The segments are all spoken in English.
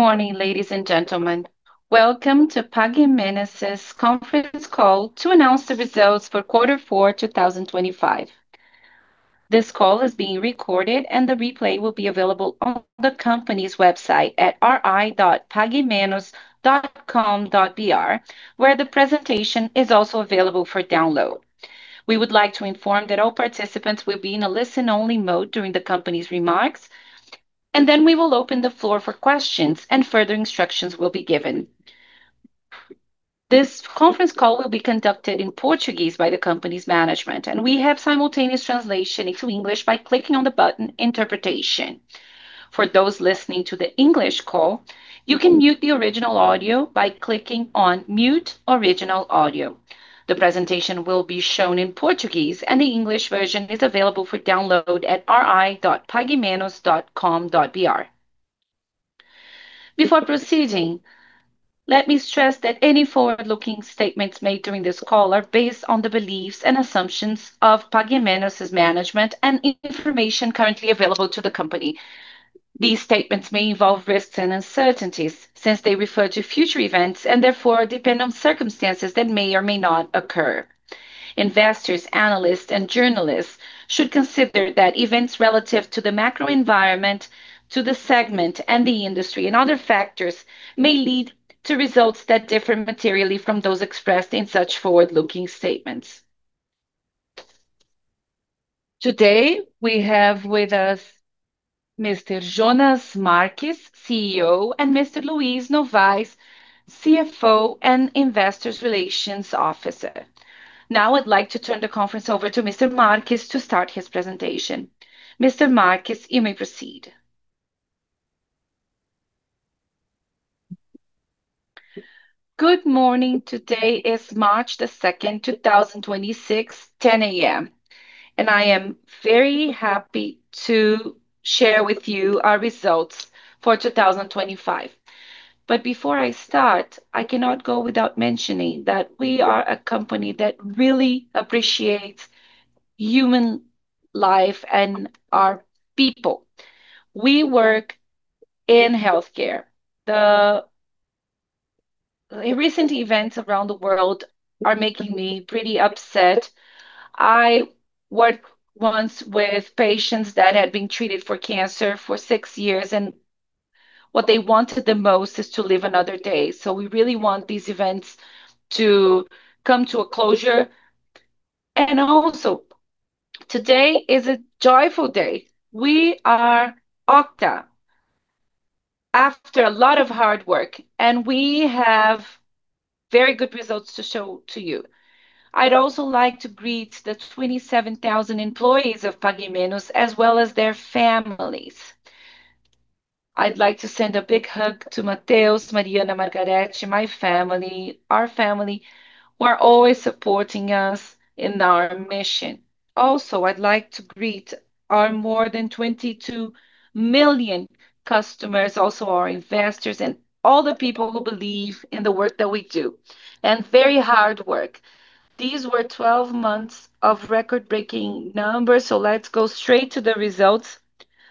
Good morning, ladies and gentlemen. Welcome to Pague Menos' conference call to announce the results for Q4, 2025. This call is being recorded, and the replay will be available on the company's website at ri.paguemenos.com.br, where the presentation is also available for download. We would like to inform that all participants will be in a listen-only mode during the company's remarks, and then we will open the floor for questions, and further instructions will be given. This conference call will be conducted in Portuguese by the company's management, and we have simultaneous translation into English by clicking on the button Interpretation. For those listening to the English call, you can mute the original audio by clicking on Mute Original Audio. The presentation will be shown in Portuguese, and the English version is available for download at ri.paguemenos.com.br. Before proceeding, let me stress that any forward-looking statements made during this call are based on the beliefs and assumptions of Pague Menos' management and information currently available to the company. These statements may involve risks and uncertainties, since they refer to future events and therefore depend on circumstances that may or may not occur. Investors, analysts, and journalists should consider that events relative to the macro environment, to the segment and the industry, and other factors may lead to results that differ materially from those expressed in such forward-looking statements. Today, we have with us Mr. Jonas Marques, CEO, and Mr. Luiz Novais, CFO and Investor Relations Officer. Now I'd like to turn the conference over to Mr. Marques to start his presentation. Mr. Marques, you may proceed. Good morning. Today is March the 2nd, 2026, 10:00 A.M. I am very happy to share with you our results for 2025. Before I start, I cannot go without mentioning that we are a company that really appreciates human life and our people. We work in healthcare. The recent events around the world are making me pretty upset. I worked once with patients that had been treated for cancer for 6 years. What they wanted the most is to live another day. We really want these events to come to a closure. Also, today is a joyful day. We are octa after a lot of hard work. We have very good results to show to you. I'd also like to greet the 27,000 employees of Pague Menos, as well as their families. I'd like to send a big hug to Mateus, Mariana, Margareth, my family, our family, who are always supporting us in our mission. I'd like to greet our more than 22 million customers, also our investors and all the people who believe in the work that we do. Very hard work. These were 12 months of record-breaking numbers, so let's go straight to the results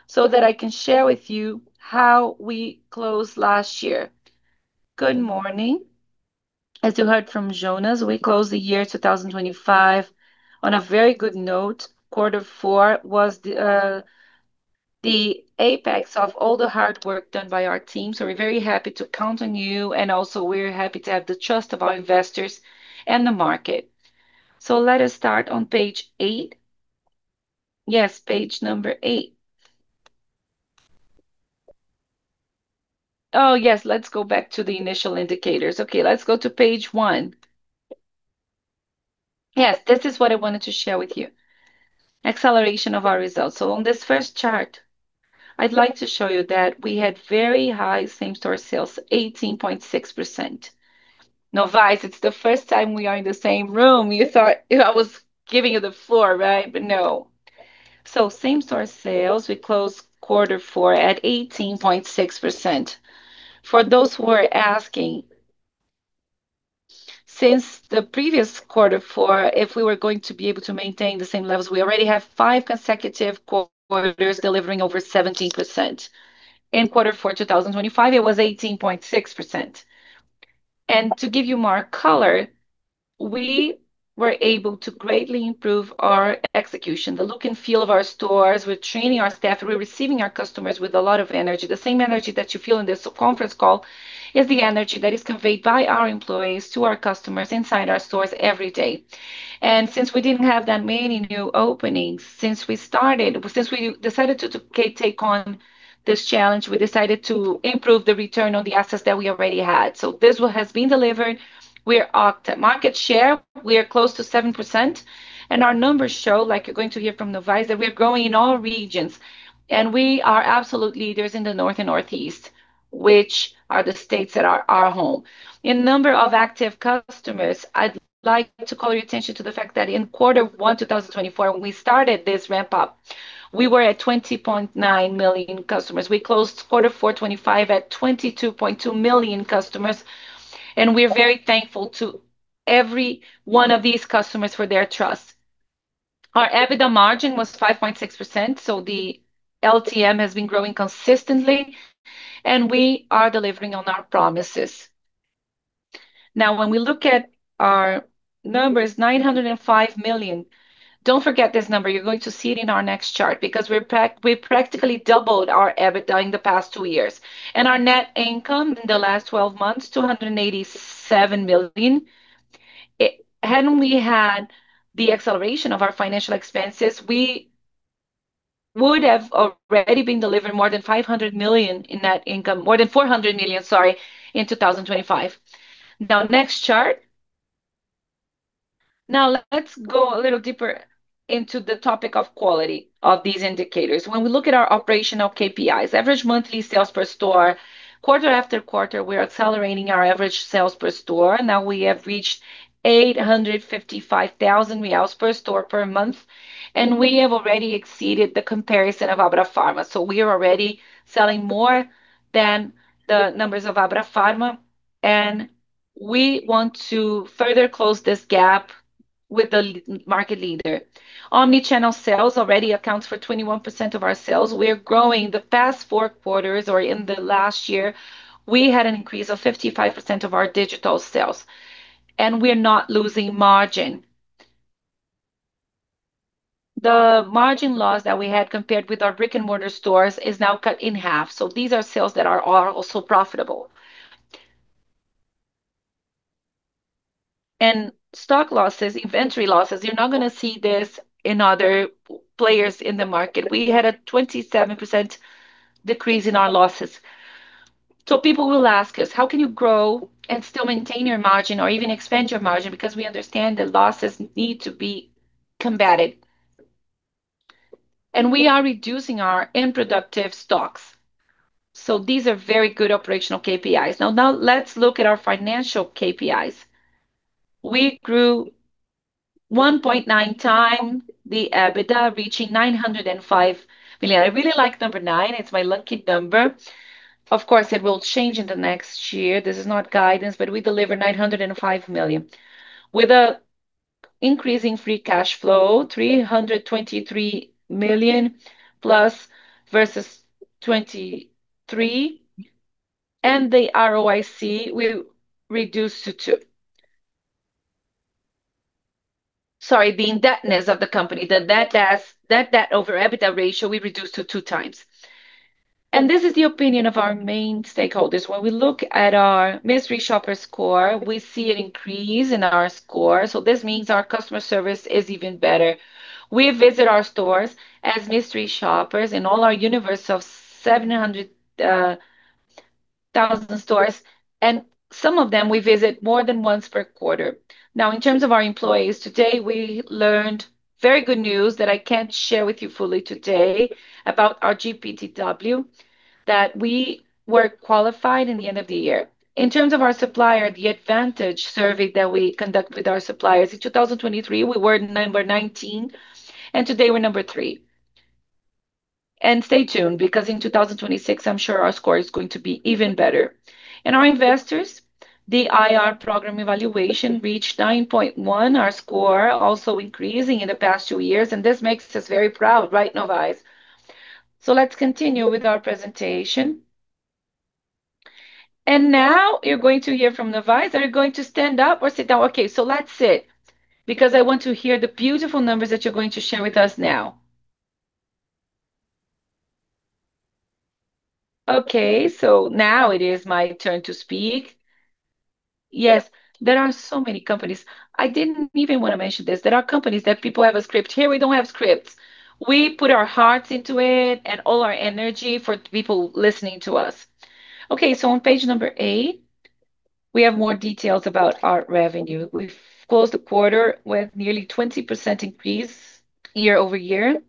so that I can share with you how we closed last year. Good morning. As you heard from Jonas, we closed the year 2025 on a very good note. Q4 was the apex of all the hard work done by our team, so we're very happy to count on you, and also we're happy to have the trust of our investors and the market. Let us start on page 8. Yes, page number 8. Oh, yes, let's go back to the initial indicators. Okay, let's go to page 1. This is what I wanted to share with you. Acceleration of our results. On this 1st chart, I'd like to show you that we had very high same-store sales, 18.6%. Novais, it's the 1st time we are in the same room. You thought I was giving you the floor, right? No. Same-store sales, we closed Q4 at 18.6%. For those who are asking, since the previous Q4, if we were going to be able to maintain the same levels, we already have 5 consecutive quarters delivering over 17%. In Q4 2025, it was 18.6%. To give you more color, we were able to greatly improve our execution. The look and feel of our stores. We're training our staff. We're receiving our customers with a lot of energy. The same energy that you feel in this conference call is the energy that is conveyed by our employees to our customers inside our stores every day. Since we didn't have that many new openings since we started, since we decided to take on this challenge, we decided to improve the return on the assets that we already had. This one has been delivered. We're octa. Market share, we are close to 7%, and our numbers show, like you're going to hear from Novais, that we're growing in all regions. We are absolute leaders in the north and northeast, which are the states that are our home. In Q1 2024, when we started this ramp-up, we were at 20.9 million customers. We closed Q4 2025 at 22.2 million customers, we're very thankful to every one of these customers for their trust. Our EBITDA margin was 5.6%, the LTM has been growing consistently, and we are delivering on our promises. When we look at our numbers, 905 million. Don't forget this number, you're going to see it in our next chart because we practically doubled our EBITDA in the past two years. Our net income in the last 12 months, 287 million. Hadn't we had the acceleration of our financial expenses, we would have already been delivering more than 500 million in net income, more than 400 million, sorry, in 2025. Next chart. Let's go a little deeper into the topic of quality of these indicators. When we look at our operational KPIs, average monthly sales per store, quarter after quarter we're accelerating our average sales per store. We have reached 855,000 reais per store per month, and we have already exceeded the comparison of Abrafarma. We are already selling more than the numbers of Abrafarma, and we want to further close this gap with the market leader. Omnichannel sales already accounts for 21% of our sales. We are growing. The past Q4 or in the last year, we had an increase of 55% of our digital sales. We're not losing margin. The margin loss that we had compared with our brick-and-mortar stores is now cut in half. These are sales that are also profitable. Stock losses, inventory losses, you're not gonna see this in other players in the market. We had a 27% decrease in our losses. People will ask us, "How can you grow and still maintain your margin or even expand your margin?" Because we understand that losses need to be combated. We are reducing our unproductive stocks. These are very good operational KPIs. Now, let's look at our financial KPIs. We grew 1.9x the EBITDA, reaching 905 million. I really like number nine; it's my lucky number. It will change in the next year. This is not guidance. We delivered 905 million. With an increase in free cash flow, 323 million plus versus 2023, the ROIC will reduce to 2. Sorry, the indebtedness of the company. The debt over EBITDA ratio, we reduced to 2 times. This is the opinion of our main stakeholders. When we look at our mystery shopper score, we see an increase in our score, this means our customer service is even better. We visit our stores as mystery shoppers in all our universe of 700,000 stores, some of them we visit more than once per quarter. In terms of our employees, today we learned very good news that I can't share with you fully today about our GPTW, that we were qualified in the end of the year. In terms of our supplier, the advantage survey that we conduct with our suppliers, in 2023 we were 19, and today we're 3. Stay tuned, because in 2026 I'm sure our score is going to be even better. Our investors, the IR program evaluation reached 9.1, our score also increasing in the past 2 years, and this makes us very proud, right, Novais? Let's continue with our presentation. Now you're going to hear from Novais. Are you going to stand up or sit down? Okay, so let's sit because I want to hear the beautiful numbers that you're going to share with us now. Now it is my turn to speak. Yes, there are so many companies. I didn't even want to mention this. There are companies that people have a script. Here we don't have scripts. We put our hearts into it and all our energy for the people listening to us. On page number 8, we have more details about our revenue. We've closed the quarter with nearly 20% increase year-over-year.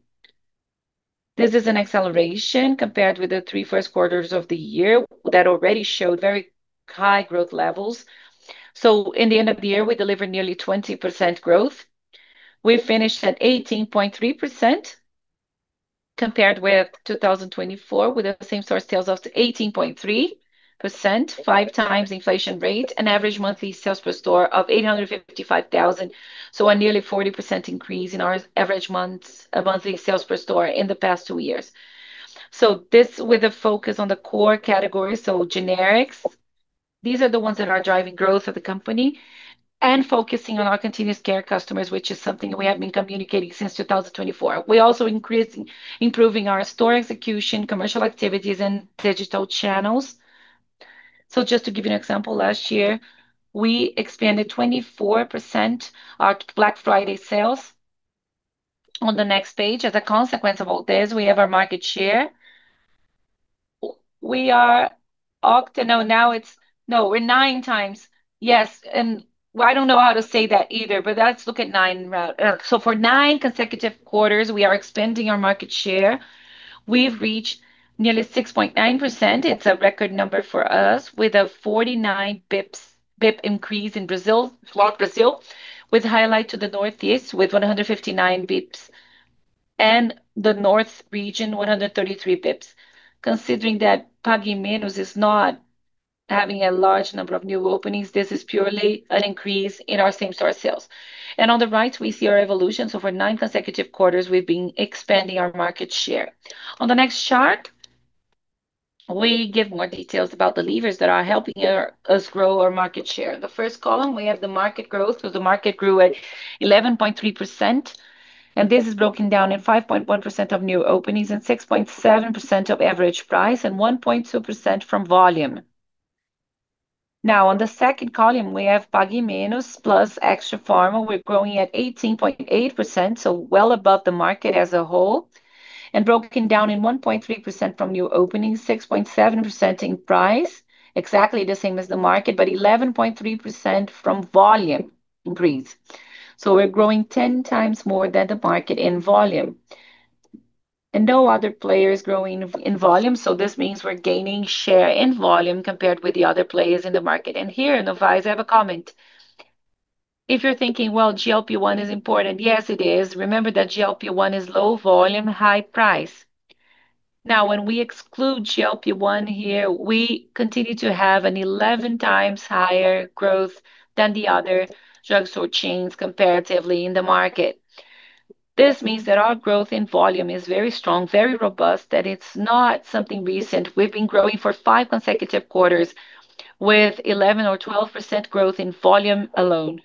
This is an acceleration compared with the 3 first quarters of the year that already showed very high growth levels. In the end of the year we delivered nearly 20% growth. We finished at 18.3% compared with 2024, with the same-store sales up to 18.3%, 5 times the inflation rate. An average monthly sales per store of 855,000, a nearly 40% increase in our average monthly sales per store in the past 2 years. This with a focus on the core categories, generics, these are the ones that are driving growth of the company, and focusing on our continuous care customers, which is something we have been communicating since 2024. We're also improving our store execution, commercial activities, and digital channels. Just to give you an example, last year we expanded 24% our Black Friday sales. On the next page, as a consequence of all this, we have our market share. We are 9 times. Yes, well, I don't know how to say that either, but let's look at. For 9 consecutive quarters we are expanding our market share. We've reached nearly 6.9%, it's a record number for us, with a 49 basis points increase in Brazil, throughout Brazil, with highlight to the Northeast with 159 basis points. The North region, 133 basis points. Considering that Pague Menos is not having a large number of new openings, this is purely an increase in our same-store sales. On the right, we see our evolution. For 9 consecutive quarters, we've been expanding our market share. On the next chart, we give more details about the levers that are helping us grow our market share. The first column, we have the market growth. The market grew at 11.3%, and this is broken down in 5.1% of new openings, 6.7% of average price, and 1.2% from volume. On the second column, we have Pague Menos plus Extrafarma, and we're growing at 18.8%, so well above the market as a whole, and broken down in 1.3% from new openings, 6.7% in price, exactly the same as the market, but 11.3% from volume increase. We're growing 10 times more than the market in volume. No other players growing in volume. This means we're gaining share in volume compared with the other players in the market. Here, guys, I have a comment. If you're thinking, well, GLP-1 is important, yes, it is. Remember that GLP-1 is low volume, high price. Now, when we exclude GLP-1 here, we continue to have an 11 times higher growth than the other drugstore chains comparatively in the market. This means that our growth in volume is very strong, very robust, that it's not something recent. We've been growing for five consecutive quarters with 11% or 12% growth in volume alone.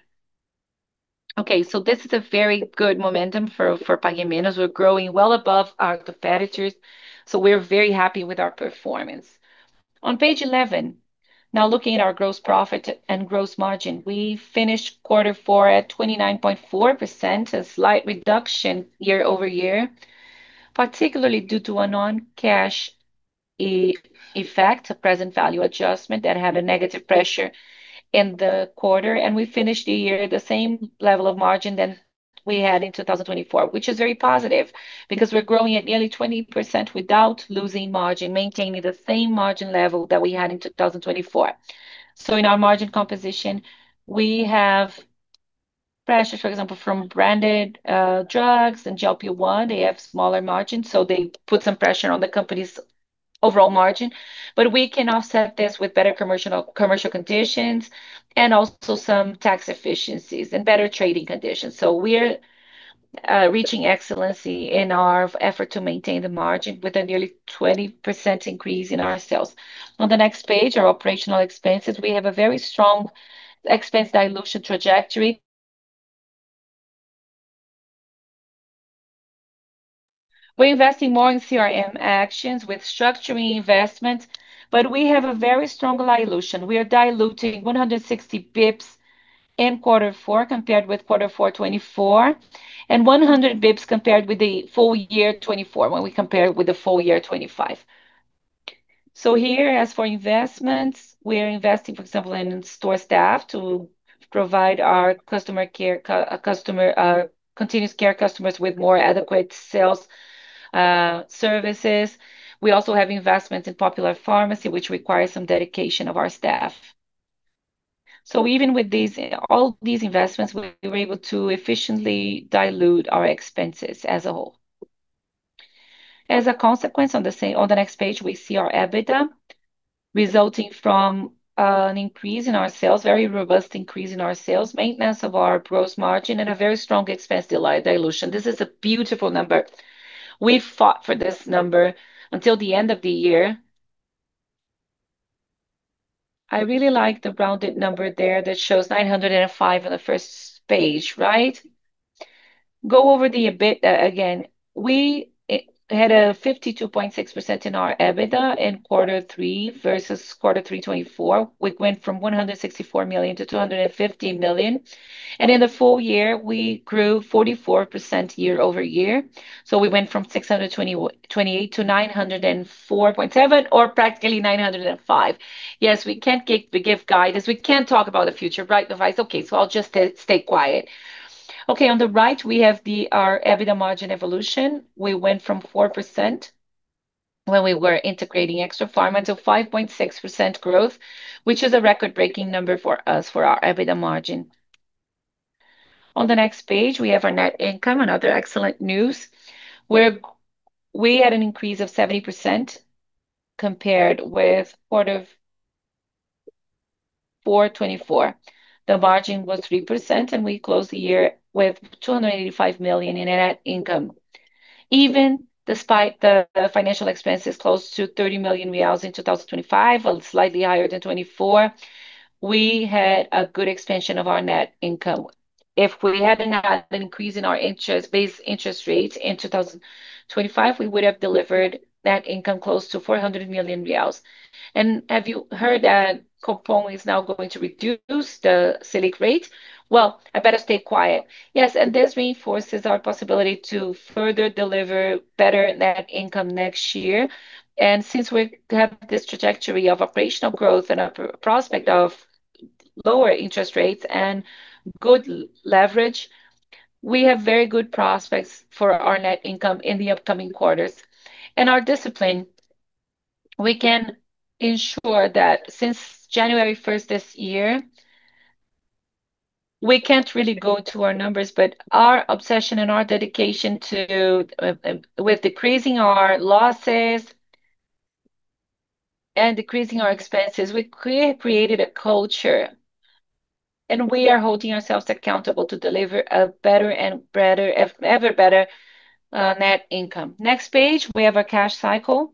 Okay, this is a very good momentum for Pague Menos. We're growing well above our competitors, we're very happy with our performance. On page 11, now looking at our gross profit and gross margin. We finished Q4 at 29.4%, a slight reduction year-over-year, particularly due to a non-cash e-effect, a present value adjustment that had a negative pressure in the quarter. We finished the year at the same level of margin than we had in 2024, which is very positive because we're growing at nearly 20% without losing margin, maintaining the same margin level that we had in 2024. In our margin composition, we have pressure, for example, from branded drugs and GLP-1. They have smaller margins, so they put some pressure on the company's overall margin. We can offset this with better commercial conditions and also some tax efficiencies and better trading conditions. We're reaching excellency in our effort to maintain the margin with a nearly 20% increase in our sales. On the next page, our operational expenses. We have a very strong expense dilution trajectory. We're investing more in CRM actions with structuring investments, but we have a very strong dilution. We are diluting 160 pips in Q4 compared with Q4 2024, and 100 pips compared with the full year 2024, when we compare it with the full year 2025. Here, as for investments, we are investing, for example, in in-store staff to provide our customer continuous care customers with more adequate sales services. We also have investments in Popular Pharmacy, which requires some dedication of our staff. Even with all these investments, we're able to efficiently dilute our expenses as a whole. As a consequence, on the next page, we see our EBITDA resulting from an increase in our sales, very robust increase in our sales, maintenance of our gross margin, and a very strong expense dilution. This is a beautiful number. We fought for this number until the end of the year. I really like the rounded number there that shows 905 on the first page, right? Go over the EBIT again. We had a 52.6% in our EBITDA in Q3 versus Q3 2024. We went from 164 million to 250 million. In the full year, we grew 44% year-over-year. We went from 628 to 904.7 or practically 905. We can't give, we give guidance. We can't talk about the future, right, Novais? I'll just stay quiet. On the right, we have our EBITDA margin evolution. We went from 4% when we were integrating Extrafarma into 5.6% growth, which is a record-breaking number for us, for our EBITDA margin. On the next page, we have our net income and other excellent news, where we had an increase of 70% compared with Q4 2024. The margin was 3%, and we closed the year with 285 million in net income. Even despite the financial expenses close to 30 million reais in 2025, well, slightly higher than 2024, we had a good expansion of our net income. If we hadn't had an increase in our base interest rates in 2025, we would have delivered net income close to 400 million reais. Have you heard that Copom is now going to reduce the Selic rate? Well, I better stay quiet. Yes, this reinforces our possibility to further deliver better net income next year. Since we have this trajectory of operational growth and a prospect of lower interest rates and good leverage, we have very good prospects for our net income in the upcoming quarters. Our discipline, we can ensure that since January 1st this year. We can't really go to our numbers, but our obsession and our dedication to with decreasing our losses and decreasing our expenses, we created a culture, and we are holding ourselves accountable to deliver a better and better, ever better net income. Next page, we have our cash cycle.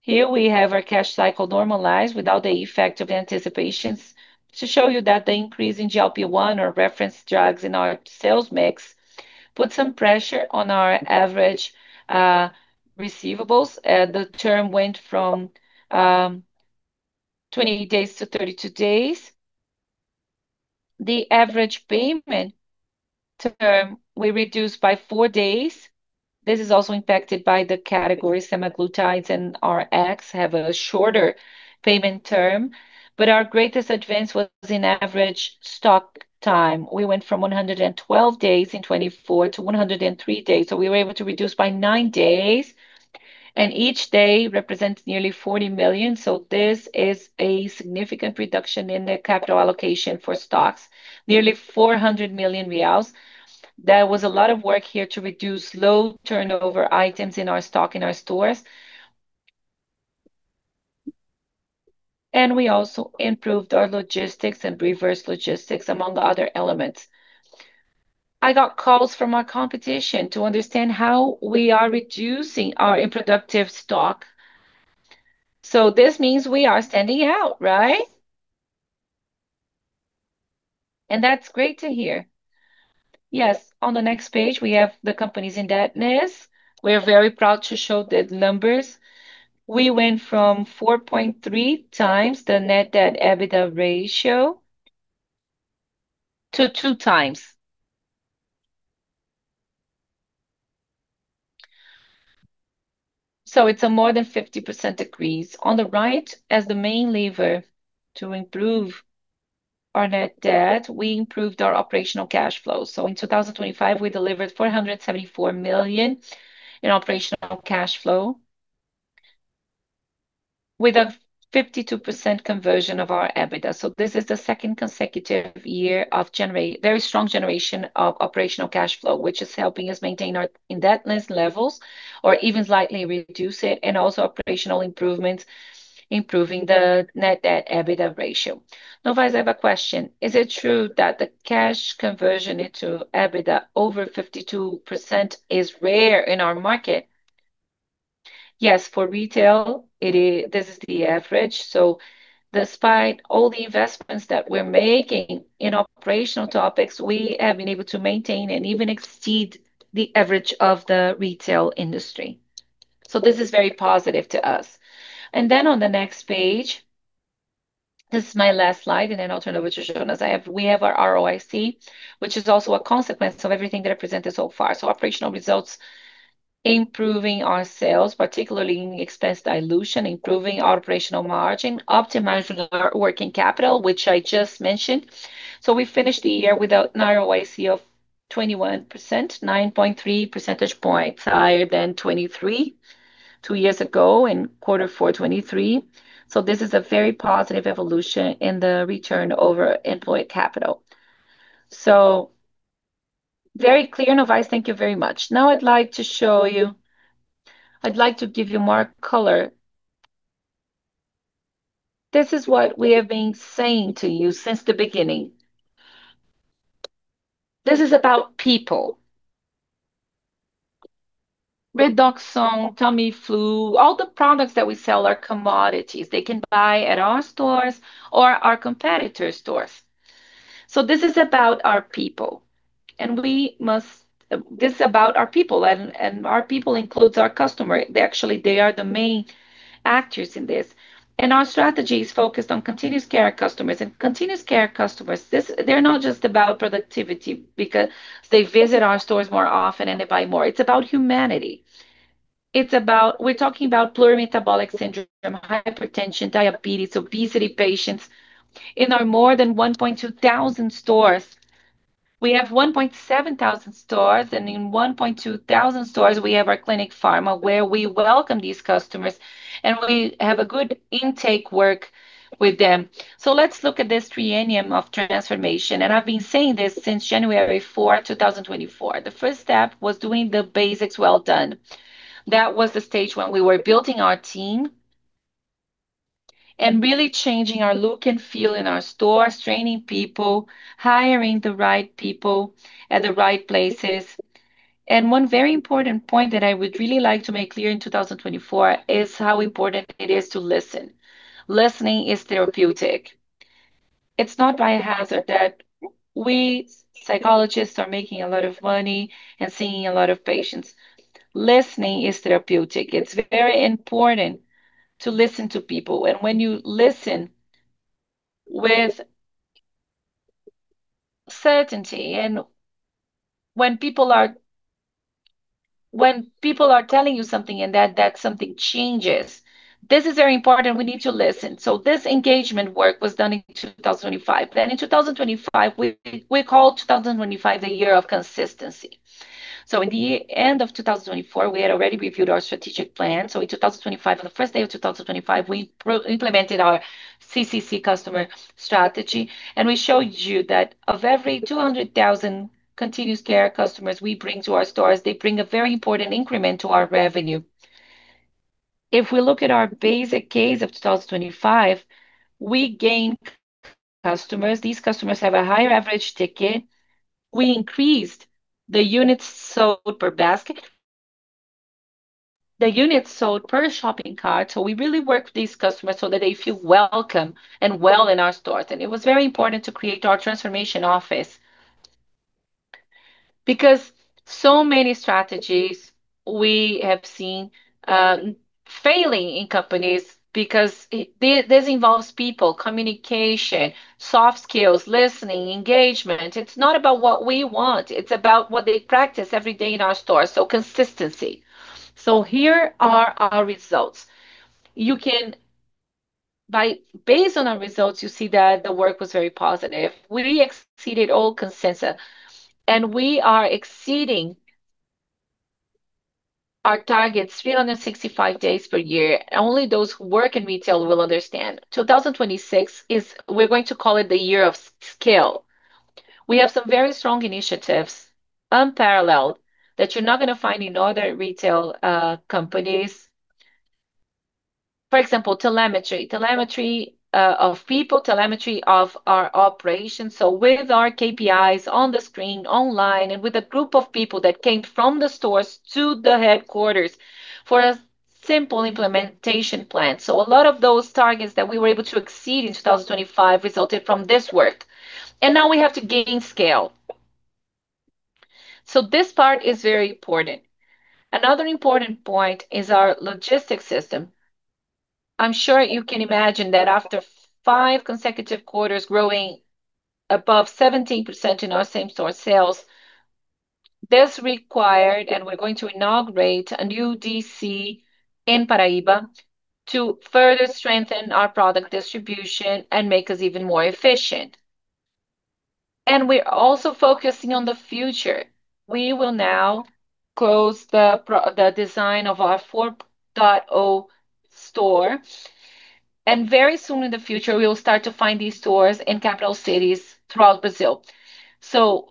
Here we have our cash cycle normalized without the effect of anticipations to show you that the increase in GLP-1 or reference drugs in our sales mix put some pressure on our average receivables. The term went from 20 days to 32 days. The average payment term we reduced by four days. This is also impacted by the category semaglutides and RX have a shorter payment term, but our greatest advance was in average stock time. We went from 112 days in 2024 to 103 days. We were able to reduce by nine days, and each day represents nearly 40 million. This is a significant reduction in the capital allocation for stocks, nearly 400 million reais. There was a lot of work here to reduce low turnover items in our stock in our stores. We also improved our logistics and reverse logistics, among the other elements. I got calls from our competition to understand how we are reducing our unproductive stock. This means we are standing out, right? That's great to hear. Yes, on the next page we have the company's indebtedness. We are very proud to show the numbers. We went from 4.3 times the net debt EBITDA ratio to 2 times. It's a more than 50% decrease. On the right, as the main lever to improve our net debt, we improved our operational cash flow. In 2025, we delivered 474 million in operational cash flow with a 52% conversion of our EBITDA. This is the second consecutive year of very strong generation of operational cash flow, which is helping us maintain our indebtedness levels or even slightly reduce it, and also operational improvements, improving the net debt EBITDA ratio. Novais, I have a question. Is it true that the cash conversion into EBITDA over 52% is rare in our market? Yes, for retail, this is the average. Despite all the investments that we're making in operational topics, we have been able to maintain and even exceed the average of the retail industry. This is very positive to us. On the next page, this is my last slide, I'll turn over to Jonas. We have our ROIC, which is also a consequence of everything that I presented so far. Operational results, improving our sales, particularly in expense dilution, improving our operational margin, optimizing our working capital, which I just mentioned. We finished the year with an ROIC of 21%, 9.3 percentage points higher than 2023, two years ago in Q4 2023. This is a very positive evolution in the return over employed capital. Very clear, Novais. Thank you very much. I'd like to give you more color. This is what we have been saying to you since the beginning. This is about people. Redoxon, tummy flu, all the products that we sell are commodities. They can buy at our stores or our competitors' stores. This is about our people, and our people includes our customer. They are the main actors in this. Our strategy is focused on continuous care customers. Continuous care customers, they're not just about productivity because they visit our stores more often and they buy more. It's about humanity. It's about We're talking about plural metabolic syndrome, hypertension, diabetes, obesity patients. In our more than 1,200 stores, we have 1,700 stores, and in 1,200 stores, we have our Clinic Farma where we welcome these customers, and we have a good intake work with them. Let's look at this triennium of transformation, and I've been saying this since January 4, 2024. The first step was doing the basics well done. That was the stage when we were building our team and really changing our look and feel in our stores, training people, hiring the right people at the right places. One very important point that I would really like to make clear in 2024 is how important it is to listen. Listening is therapeutic. It's not by hazard that we psychologists are making a lot of money and seeing a lot of patients. Listening is therapeutic. It's very important to listen to people. When you listen with certainty and when people are telling you something and that something changes, this is very important. We need to listen. This engagement work was done in 2025. In 2025, we called 2025 the year of consistency. In the end of 2024, we had already reviewed our strategic plan. In 2025, on the first day of 2025, we implemented our CCC customer strategy, and we showed you that of every 200,000 continuous care customers we bring to our stores, they bring a very important increment to our revenue. If we look at our basic case of 2025, we gained customers. These customers have a higher average ticket. We increased the units sold per basket, the units sold per shopping cart. We really work with these customers so that they feel welcome and well in our stores. It was very important to create our transformation office because so many strategies we have seen failing in companies because this involves people, communication, soft skills, listening, engagement. It's not about what we want, it's about what they practice every day in our stores, so consistency. Here are our results. Based on our results, you see that the work was very positive. We exceeded all consensus, and we are exceeding our targets 365 days per year. Only those who work in retail will understand. 2026 we're going to call it the year of scale. We have some very strong initiatives, unparalleled, that you're not going to find in other retail companies. For example, telemetry. Telemetry of people, telemetry of our operations. With our KPIs on the screen online and with a group of people that came from the stores to the headquarters for a simple implementation plan. A lot of those targets that we were able to exceed in 2025 resulted from this work, now we have to gain scale. This part is very important. Another important point is our logistics system. I'm sure you can imagine that after 5 consecutive quarters growing above 17% in our same-store sales, this required, we're going to inaugurate a new DC in Paraiba to further strengthen our product distribution and make us even more efficient. We're also focusing on the future. We will now close the design of our Store 4.0, very soon in the future, we will start to find these stores in capital cities throughout Brazil.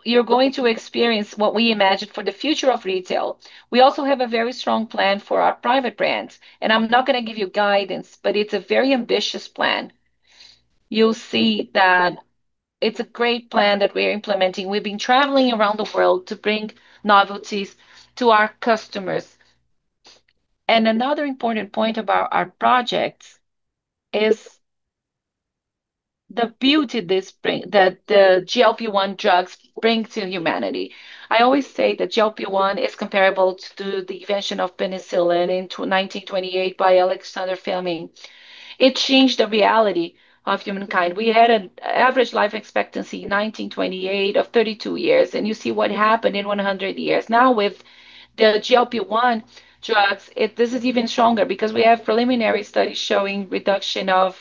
You're going to experience what we imagine for the future of retail. We also have a very strong plan for our private brands, I'm not going to give you guidance, it's a very ambitious plan. You'll see that it's a great plan that we're implementing. We've been traveling around the world to bring novelties to our customers. Another important point about our projects is the beauty that the GLP-1 drugs bring to humanity. I always say that GLP-1 is comparable to the invention of penicillin in 1928 by Alexander Fleming. It changed the reality of humankind. We had an average life expectancy in 1928 of 32 years. You see what happened in 100 years. Now, with the GLP-1 drugs, this is even stronger because we have preliminary studies showing reduction of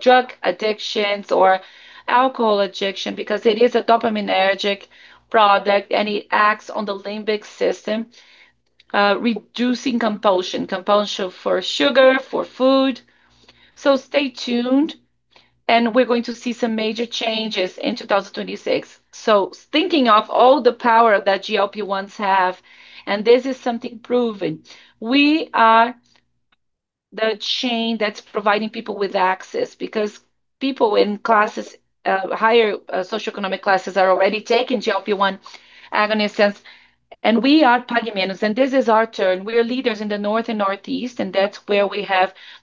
drug addictions or alcohol addiction because it is a dopaminergic product, and it acts on the limbic system, reducing compulsion for sugar, for food. Stay tuned, and we're going to see some major changes in 2026. Thinking of all the power that GLP-1s have, and this is something proven, we are the chain that's providing people with access because people in classes, higher, socioeconomic classes are already taking GLP-1 agonists, and we are Pague Menos, and this is our turn. We are leaders in the North and Northeast, that's where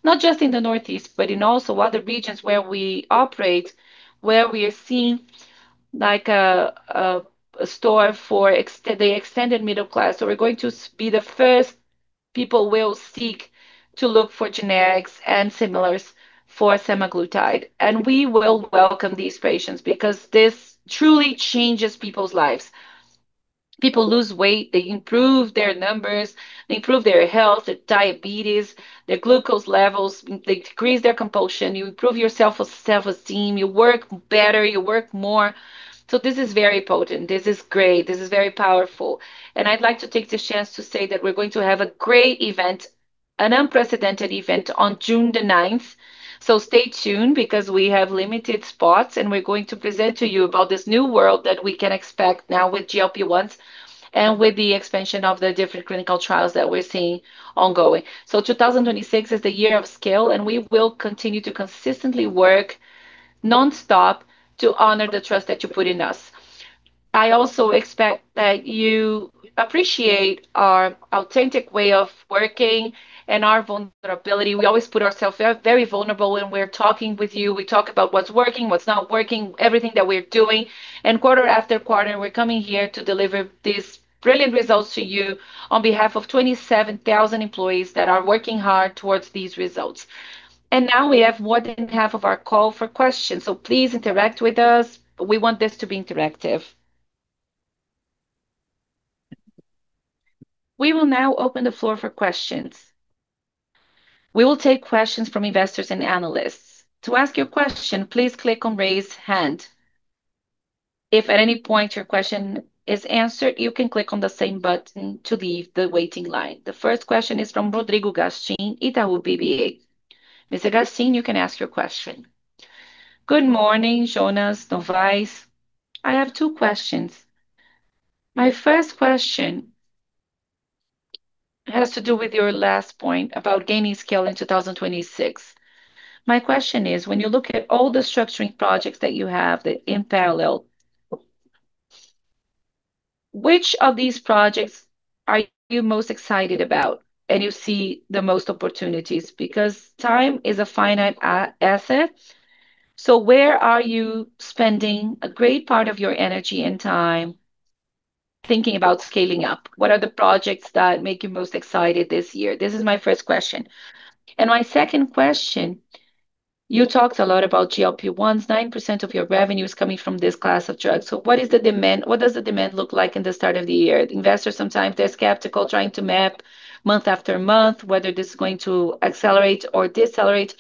not just in the Northeast, but in also other regions where we operate, where we are seen like a store for the extended middle class. We're going to be the first people will seek to look for generics and similars for semaglutide, and we will welcome these patients because this truly changes people's lives. People lose weight, they improve their numbers, they improve their health, their diabetes, their glucose levels. They decrease their compulsion. You improve your self-esteem. You work better. You work more. This is very potent. This is great. This is very powerful. I'd like to take this chance to say that we're going to have a great event, an unprecedented event on June the 9th. Stay tuned because we have limited spots, and we're going to present to you about this new world that we can expect now with GLP-1s and with the expansion of the different clinical trials that we're seeing ongoing. 2026 is the year of scale, and we will continue to consistently work nonstop to honor the trust that you put in us. I also expect that you appreciate our authentic way of working and our vulnerability. We always put ourselves very vulnerable when we're talking with you. We talk about what's working, what's not working, everything that we're doing. Quarter after quarter, we're coming here to deliver these brilliant results to you on behalf of 27,000 employees that are working hard towards these results. Now we have more than half of our call for questions, please interact with us. We want this to be interactive. We will now open the floor for questions. We will take questions from investors and analysts. To ask your question, please click on Raise Hand. If at any point your question is answered, you can click on the same button to leave the waiting line. The first question is from Rodrigo Gushiken, Itaú BBA. Mr. Gushiken, you can ask your question. Good morning, Jonas, Novais. I have 2 questions. My first question has to do with your last point about gaining scale in 2026. My question is, when you look at all the structuring projects that you have that in parallel, which of these projects are you most excited about and you see the most opportunities? Time is a finite asset, so where are you spending a great part of your energy and time thinking about scaling up? What are the projects that make you most excited this year? This is my first question. My second question, you talked a lot about GLP-1. 9% of your revenue is coming from this class of drugs. What does the demand look like in the start of the year? Investors sometimes they're skeptical trying to map month after month whether this is going to accelerate or decelerate.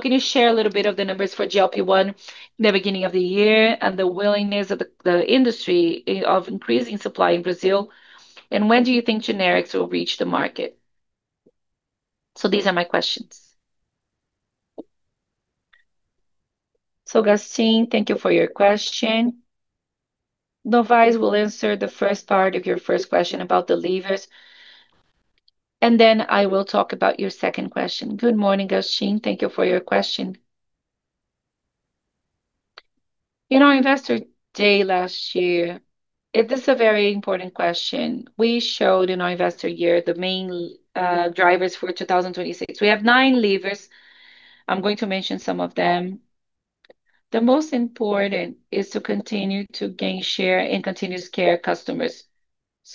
Can you share a little bit of the numbers for GLP-1 in the beginning of the year and the willingness of the industry of increasing supply in Brazil, and when do you think generics will reach the market? These are my questions. Gustin, thank you for your question. Novais will answer the first part of your first question about the levers, and then I will talk about your second question. Good morning, Gustin. Thank you for your question. In our investor day last year. This is a very important question. We showed in our investor year the main drivers for 2026. We have nine levers. I'm going to mention some of them. The most important is to continue to gain share in continuous care customers.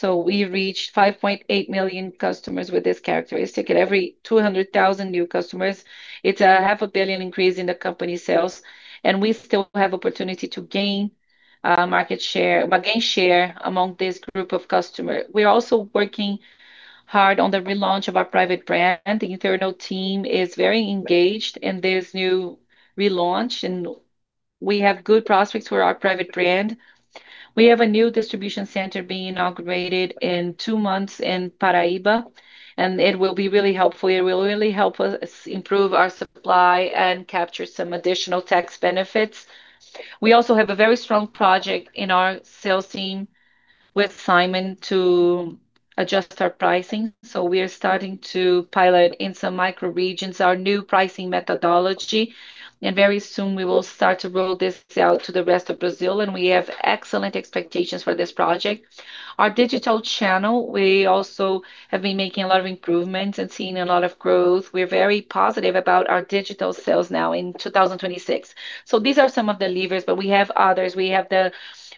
We reached 5.8 million customers with this characteristic, and every 200,000 new customers, it's a half a billion increase in the company sales, and we still have opportunity to gain share among this group of customer. We're also working hard on the relaunch of our private brand. The internal team is very engaged in this new relaunch, and we have good prospects for our private brand. We have a new distribution center being inaugurated in two months in Paraíba, and it will be really helpful. It will really help us improve our supply and capture some additional tax benefits. We also have a very strong project in our sales team with Simon to adjust our pricing. We are starting to pilot in some micro regions our new pricing methodology. Very soon we will start to roll this out to the rest of Brazil. We have excellent expectations for this project. Our digital channel, we also have been making a lot of improvements and seeing a lot of growth. We're very positive about our digital sales now in 2026. These are some of the levers, but we have others. We have the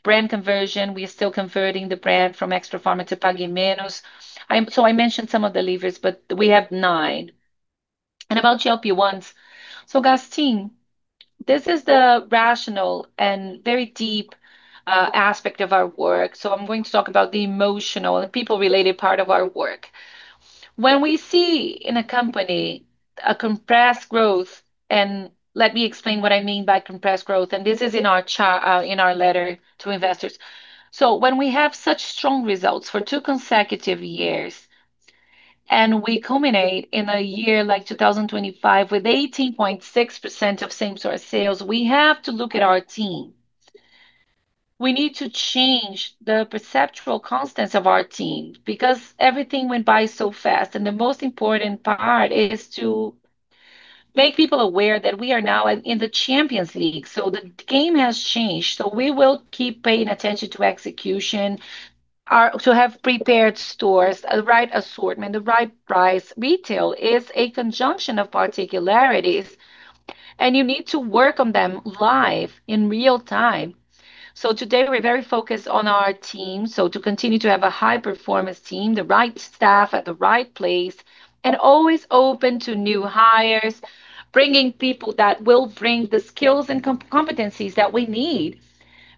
brand conversion. We are still converting the brand from Extrafarma to Pague Menos. I mentioned some of the levers, but we have nine. About GLP-1s, Gastin, this is the rational and very deep aspect of our work, I'm going to talk about the emotional and people-related part of our work. When we see in a company a compressed growth, and let me explain what I mean by compressed growth, and this is in our letter to investors. When we have such strong results for 2 consecutive years, and we culminate in a year like 2025 with 18.6% of same-store sales, we have to look at our team. We need to change the perceptual constants of our team because everything went by so fast, and the most important part is to make people aware that we are now in the Champions League. The game has changed. We will keep paying attention to execution. To have prepared stores, the right assortment, the right price. Retail is a conjunction of particularities, and you need to work on them live in real time. Today we're very focused on our team. To continue to have a high-performance team, the right staff at the right place, and always open to new hires, bringing people that will bring the skills and competencies that we need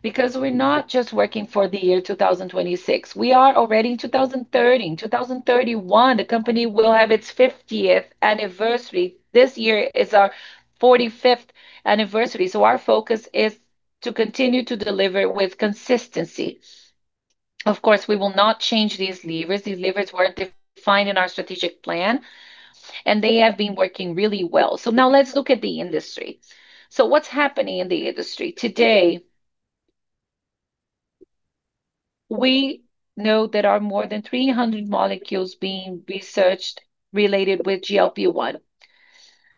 because we're not just working for the year 2026. We are already in 2030. In 2031, the company will have its 50th anniversary. This year is our 45th anniversary, so our focus is to continue to deliver with consistency. Of course, we will not change these levers. These levers were defined in our strategic plan, and they have been working really well. Now let's look at the industry. What's happening in the industry today? We know there are more than 300 molecules being researched related with GLP-1.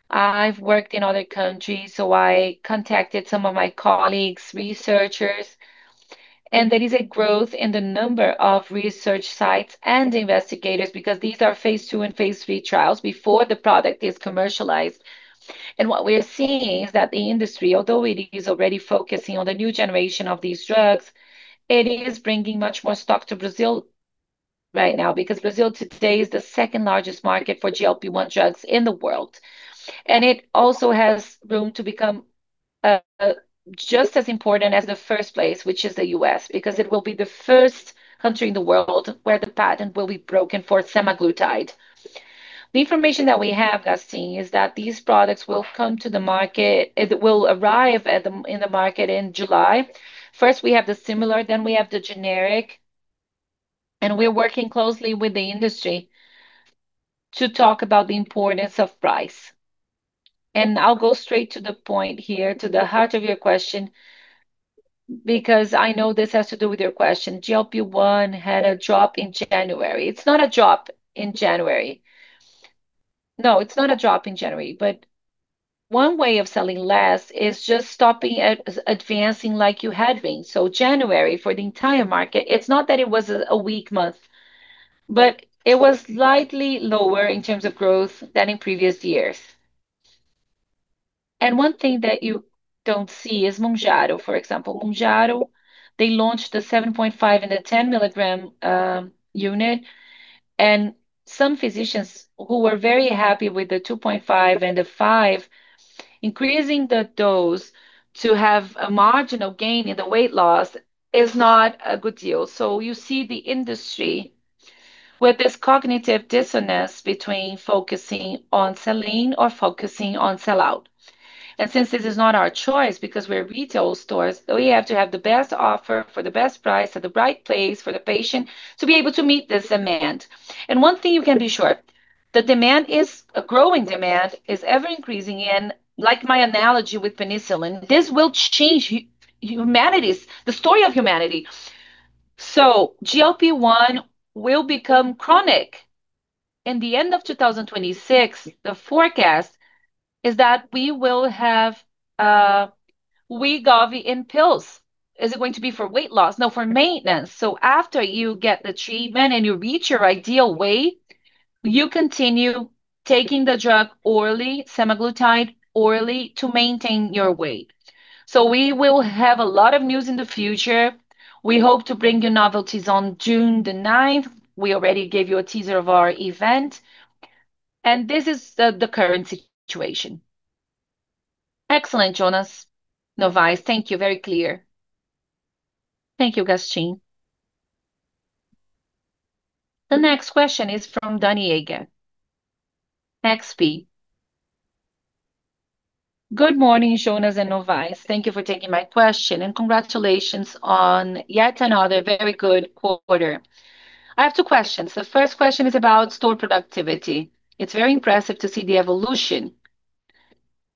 I've worked in other countries, so I contacted some of my colleagues, researchers, and there is a growth in the number of research sites and investigators because these are phase 2 and phase 3 trials before the product is commercialized. What we're seeing is that the industry, although it is already focusing on the new generation of these drugs, it is bringing much more stock to Brazil right now because Brazil today is the 2nd-largest market for GLP-1 drugs in the world. It also has room to become just as important as the 1st place, which is the U.S., because it will be the 1st country in the world where the patent will be broken for semaglutide. The information that we have, Gustin, is that these products will come to the market in July. First, we have the similar, then we have the generic, and we're working closely with the industry to talk about the importance of price. I'll go straight to the point here, to the heart of your question, because I know this has to do with your question. GLP-1 had a drop in January. It's not a drop in January. No, it's not a drop in January, but one way of selling less is just stopping advancing like you had been. January, for the entire market, it's not that it was a weak month, but it was slightly lower in terms of growth than in previous years. One thing that you don't see is Mounjaro, for example. Mounjaro, they launched the 7.5 and the 10 milligram unit, and some physicians who were very happy with the 2.5 and the 5, increasing the dose to have a marginal gain in the weight loss is not a good deal. You see the industry with this cognitive dissonance between focusing on selling or focusing on sellout. Since this is not our choice because we're retail stores, we have to have the best offer for the best price at the right place for the patient to be able to meet this demand. One thing you can be sure, the demand is a growing demand, is ever-increasing, and like my analogy with penicillin, this will change humanity's the story of humanity. GLP-1 will become chronic. In the end of 2026, the forecast is that we will have Wegovy in pills. Is it going to be for weight loss? No, for maintenance. After you get the treatment and you reach your ideal weight, you continue taking the drug orally, semaglutide orally to maintain your weight. We will have a lot of news in the future. We hope to bring you novelties on June 9th. We already gave you a teaser of our event, this is the current situation. Excellent, Jonas Novais. Thank you. Very clear. Thank you, Gustin. The next question is from Daniele Eige, XP. Good morning, Jonas and Novais. Thank you for taking my question, congratulations on yet another very good quarter. I have 2 questions. The first question is about store productivity. It's very impressive to see the evolution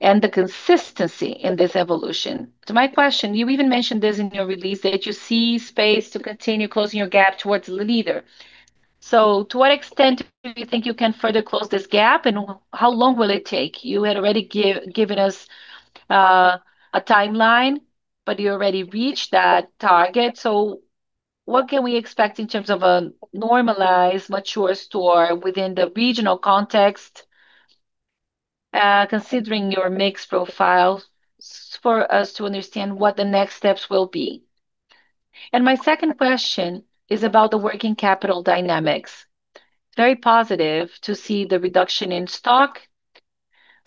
and the consistency in this evolution. To my question, you even mentioned this in your release, that you see space to continue closing your gap towards the leader. To what extent do you think you can further close this gap, and how long will it take? You had already given us a timeline, you already reached that target. What can we expect in terms of a normalized mature store within the regional context, considering your mix profile, for us to understand what the next steps will be. My second question is about the working capital dynamics. Very positive to see the reduction in stock.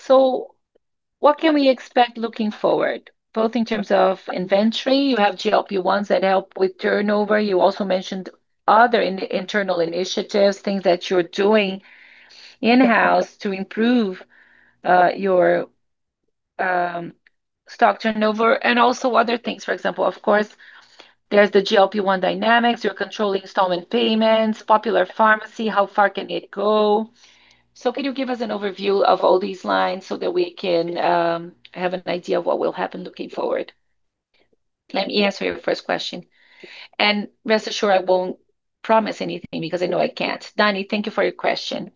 What can we expect looking forward, both in terms of inventory, you have GLP-1s that help with turnover. You also mentioned other internal initiatives, things that you're doing in-house to improve your stock turnover and also other things. For example, of course, there's the GLP-1 dynamics, your controlling installment payments, Popular Pharmacy, how far can it go? Could you give us an overview of all these lines so that we can have an idea of what will happen looking forward? Let me answer your first question. Rest assured I won't promise anything because I know I can't. Dani, thank you for your question.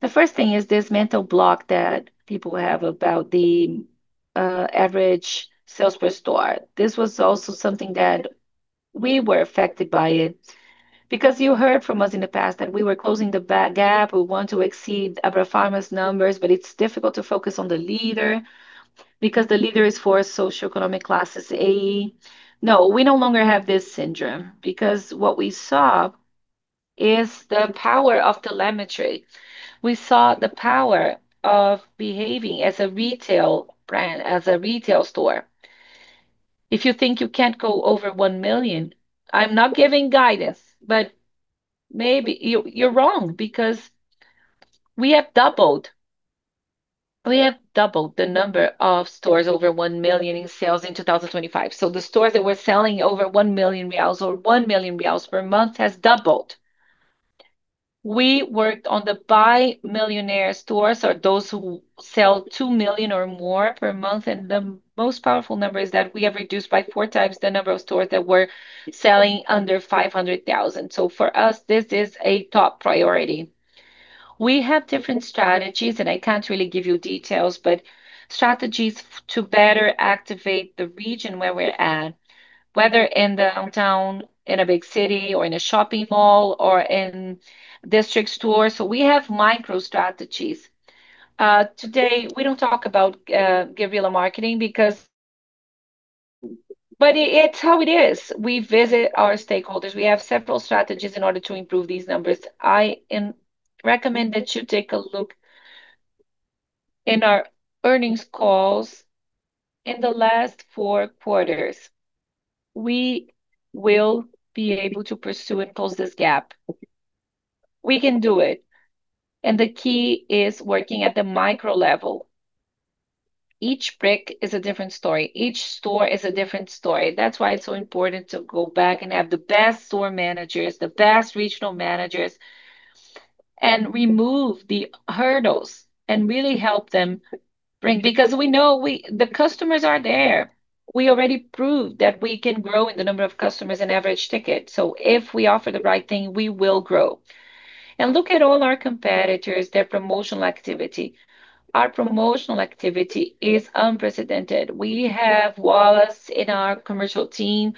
The first thing is this mental block that people have about the average sales per store. This was also something that we were affected by it, because you heard from us in the past that we were closing the gap, we want to exceed Abrafarma's numbers, but it's difficult to focus on the leader because the leader is for socioeconomic classes A. We no longer have this syndrome because what we saw is the power of telemetry. We saw the power of behaving as a retail brand, as a retail store. If you think you can't go over 1 million, I'm not giving guidance, but maybe you're wrong, because we have doubled. We have doubled the number of stores over 1 million in sales in 2025. The stores that were selling over 1 million reais or 1 million reais per month has doubled. We worked on the buy millionaire stores, or those who sell 2 million or more per month. The most powerful number is that we have reduced by 4 times the number of stores that were selling under 500,000. For us, this is a top priority. We have different strategies, and I can't really give you details, but strategies to better activate the region where we're at, whether in the downtown, in a big city or in a shopping mall or in district stores. We have micro strategies. Today, we don't talk about guerrilla marketing. It's how it is. We visit our stakeholders. We have several strategies in order to improve these numbers. I recommend that you take a look in our earnings calls in the last Q4. We will be able to pursue and close this gap. We can do it. The key is working at the micro level. Each brick is a different story. Each store is a different story. That's why it's so important to go back and have the best store managers, the best regional managers, and remove the hurdles and really help them bring... We know the customers are there. We already proved that we can grow in the number of customers and average ticket. If we offer the right thing, we will grow. Look at all our competitors, their promotional activity. Our promotional activity is unprecedented. We have Wallace in our commercial team.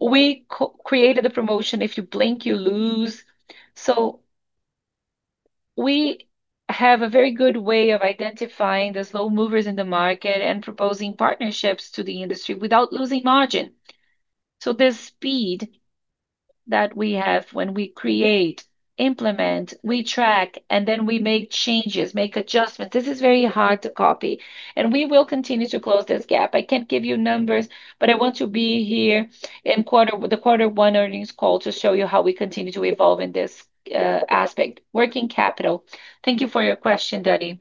We created the promotion If You Blink, You Lose. We have a very good way of identifying the slow movers in the market and proposing partnerships to the industry without losing margin. The speed that we have when we create, implement, we track, and then we make changes, make adjustments, this is very hard to copy, and we will continue to close this gap. I can't give you numbers, but I want to be here with the Q1 earnings call to show you how we continue to evolve in this aspect. Working capital. Thank you for your question, Danny.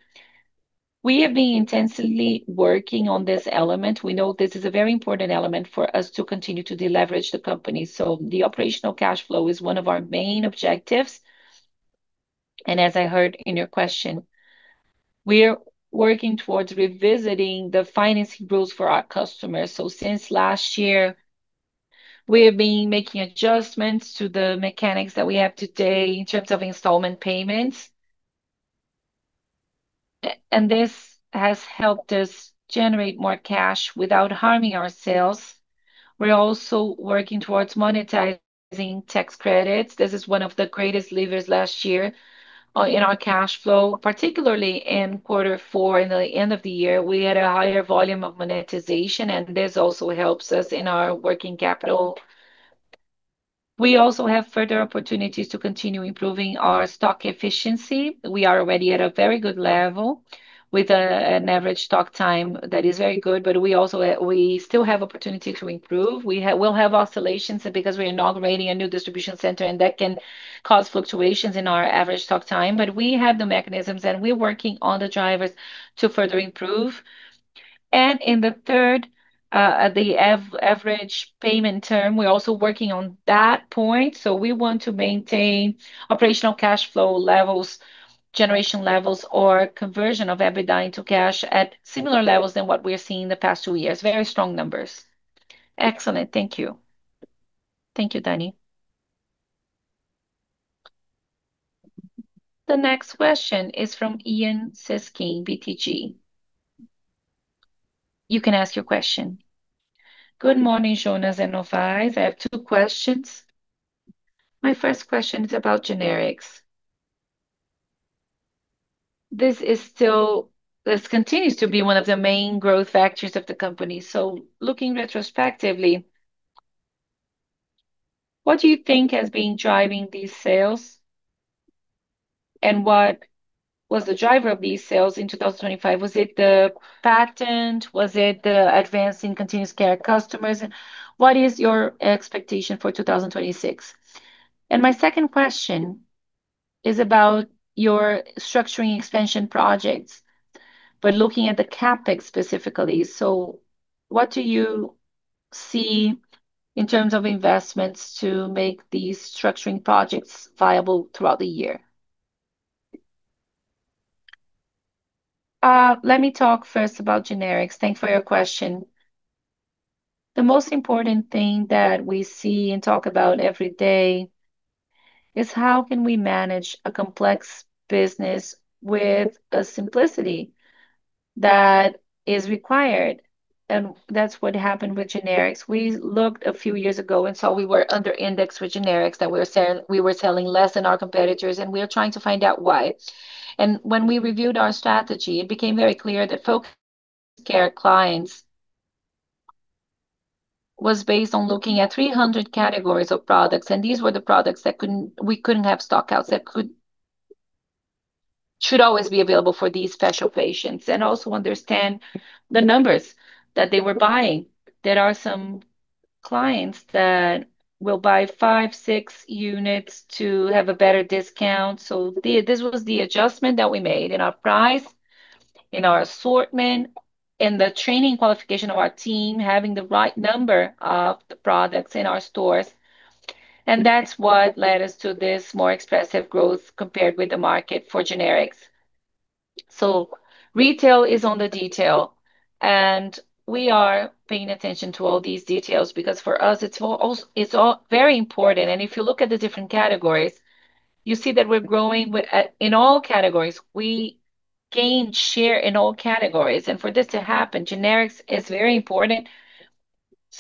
We have been intensely working on this element. We know this is a very important element for us to continue to deleverage the company, so the operational cash flow is one of our main objectives. As I heard in your question, we're working towards revisiting the financing rules for our customers. Since last year, we have been making adjustments to the mechanics that we have today in terms of installment payments. This has helped us generate more cash without harming our sales. We're also working towards monetizing tax credits. This is one of the greatest levers last year, in our cash flow, particularly in Q4. In the end of the year, we had a higher volume of monetization. This also helps us in our working capital. We also have further opportunities to continue improving our stock efficiency. We are already at a very good level with an average stock time that is very good, but we still have opportunity to improve. We'll have oscillations because we're inaugurating a new distribution center. That can cause fluctuations in our average stock time, but we have the mechanisms, and we're working on the drivers to further improve. In the third, the average payment term, we're also working on that point, so we want to maintain operational cash flow levels, generation levels or conversion of every dime to cash at similar levels than what we're seeing in the past 2 years. Very strong numbers. Excellent. Thank you. Thank you, Danny. The next question is from Ian Suescun, BTG. You can ask your question. Good morning, Jonas and Novais. I have 2 questions. My first question is about generics. This continues to be one of the main growth factors of the company. Looking retrospectively, what do you think has been driving these sales, and what was the driver of these sales in 2025? Was it the patent? Was it the advance in continuous care customers? What is your expectation for 2026? My second question is about your structuring expansion projects, looking at the CapEx specifically. What do you see in terms of investments to make these structuring projects viable throughout the year? Let me talk first about generics. Thank you for your question. The most important thing that we see and talk about every day is how can we manage a complex business with a simplicity that is required, and that's what happened with generics. We looked a few years ago and saw we were under indexed with generics, that we were selling less than our competitors, and we are trying to find out why. When we reviewed our strategy, it became very clear that folk care clients was based on looking at 300 categories of products, and these were the products that we couldn't have stock-outs, that should always be available for these special patients. Also understand the numbers that they were buying. There are some clients that will buy 5, 6 units to have a better discount, this was the adjustment that we made in our price, in our assortment, in the training qualification of our team, having the right number of the products in our stores, that's what led us to this more expressive growth compared with the market for generics. Retail is on the detail; we are paying attention to all these details because for us it's all very important. If you look at the different categories, you see that we're growing with in all categories. We gained share in all categories. For this to happen, generics is very important.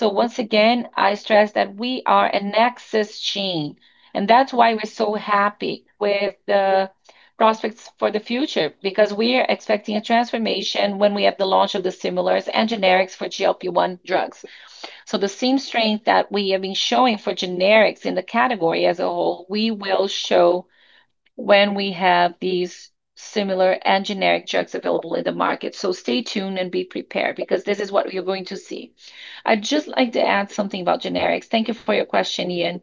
Once again, I stress that we are a nexus chain, and that's why we're so happy with the prospects for the future, because we are expecting a transformation when we have the launch of the similar and generics for GLP-1 drugs. The same strength that we have been showing for generics in the category as a whole, we will show when we have these similar and generic drugs available in the market. Stay tuned and be prepared, because this is what we are going to see. I'd just like to add something about generics. Thank you for your question, Ian.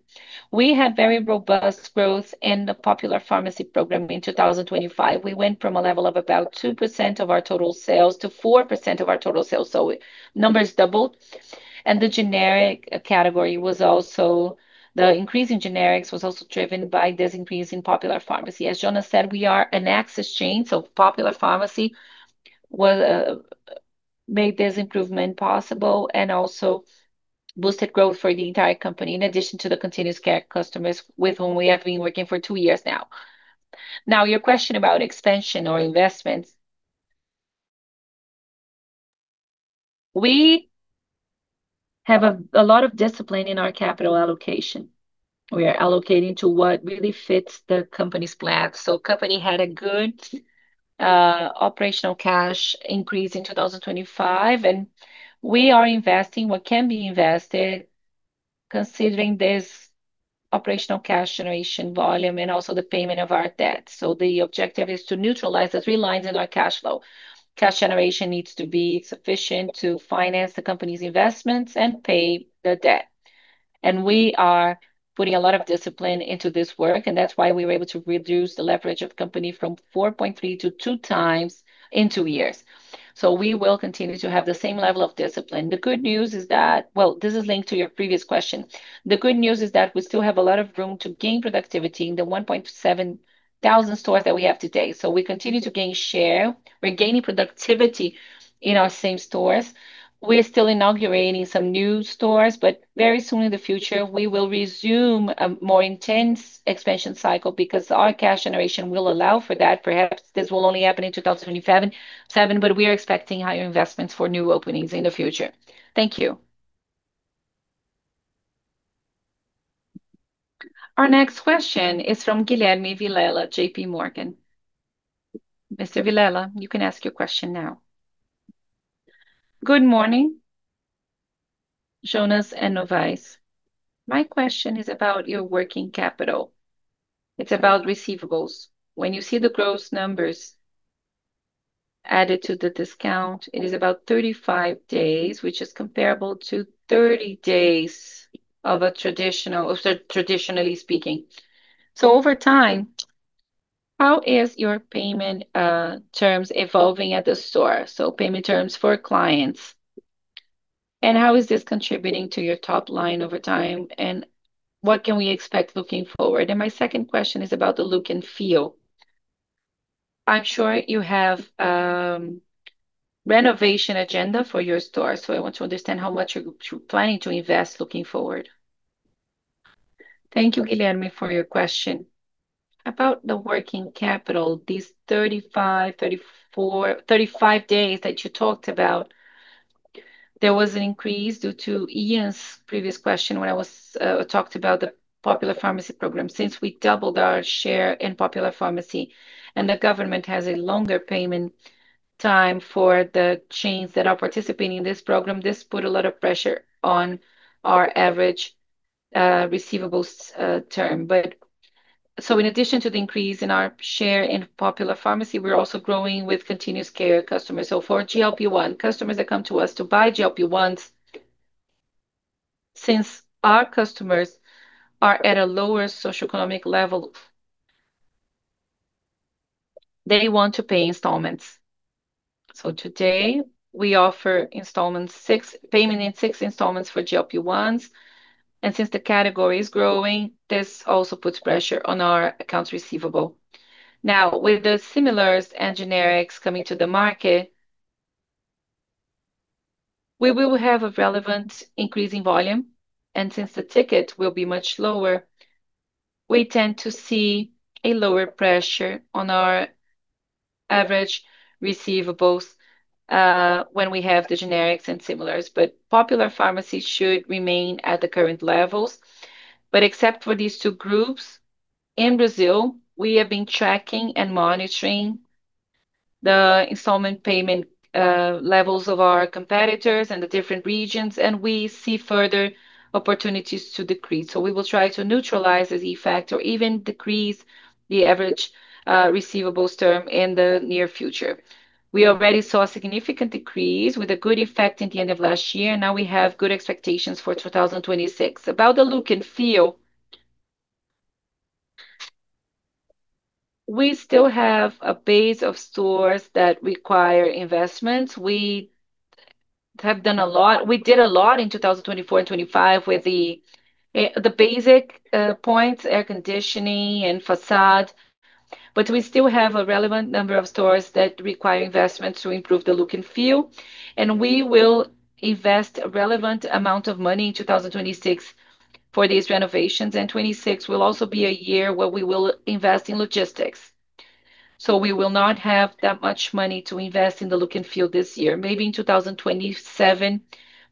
We have very robust growth in the Popular Farmácia program in 2025. We went from a level of about 2% of our total sales to 4% of our total sales. Numbers doubled. The increase in generics was also driven by this increase in Popular Farmácia As Jonas said, we are an access chain, Popular Farmácia will make this improvement possible and also boosted growth for the entire company, in addition to the continuous care customers with whom we have been working for 2 years now. Now, your question about expansion or investments. We have a lot of discipline in our capital allocation. We are allocating to what really fits the company's plans. Company had a good operational cash increase in 2025, and we are investing what can be invested considering this operational cash generation volume and also the payment of our debt. The objective is to neutralize the three lines in our cash flow. Cash generation needs to be sufficient to finance the company's investments and pay the debt. We are putting a lot of discipline into this work, and that's why we were able to reduce the leverage of company from 4.3x to 2x in 2 years. We will continue to have the same level of discipline. The good news is that... Well, this is linked to your previous question. The good news is that we still have a lot of room to gain productivity in the 1,700 stores that we have today. We continue to gain share. We're gaining productivity in our same stores. We're still inaugurating some new stores. Very soon in the future, we will resume a more intense expansion cycle because our cash generation will allow for that. Perhaps this will only happen in 2027. We are expecting higher investments for new openings in the future. Thank you. Our next question is from Guilherme Vilela, JP Morgan. Mr. Vilela, you can ask your question now. Good morning, Jonas and Novais. My question is about your working capital. It's about receivables. When you see the gross numbers added to the discount, it is about 35 days, which is comparable to 30 days of a traditionally speaking. Over time, how is your payment terms evolving at the store, so payment terms for clients? How is this contributing to your top line over time, and what can we expect looking forward? My second question is about the look and feel. I'm sure you have renovation agenda for your store, so I want to understand how much you're planning to invest looking forward. Thank you, Guilherme, for your question. About the working capital, these 35 days that you talked about, there was an increase due to Ian's previous question when I talked about the Popular Pharmacy program. Since we doubled our share in Popular Pharmacy and the government has a longer payment time for the chains that are participating in this program, this put a lot of pressure on our average receivables term. In addition to the increase in our share in Popular Pharmacy, we're also growing with continuous care customers. For GLP-1, customers that come to us to buy GLP-1s, since our customers are at a lower socioeconomic level, they want to pay installments. Today, we offer payment in 6 installments for GLP-1s. Since the category is growing, this also puts pressure on our accounts receivable. Now, with the similar and generics coming to the market, we will have a relevant increase in volume. Since the ticket will be much lower, we tend to see a lower pressure on our average receivables when we have the generics and similars. Popular pharmacies should remain at the current levels. Except for these two groups, in Brazil, we have been tracking and monitoring the installment payment levels of our competitors in the different regions, and we see further opportunities to decrease. We will try to neutralize this effect or even decrease the average receivables term in the near future. We already saw a significant decrease with a good effect at the end of last year. Now we have good expectations for 2026. About the look and feel, we still have a base of stores that require investments. We did a lot in 2024 and 2025 with the basic points, air conditioning and facade. We still have a relevant number of stores that require investments to improve the look and feel, and we will invest a relevant amount of money in 2026 for these renovations. 2026 will also be a year where we will invest in logistics. We will not have that much money to invest in the look and feel this year. Maybe in 2027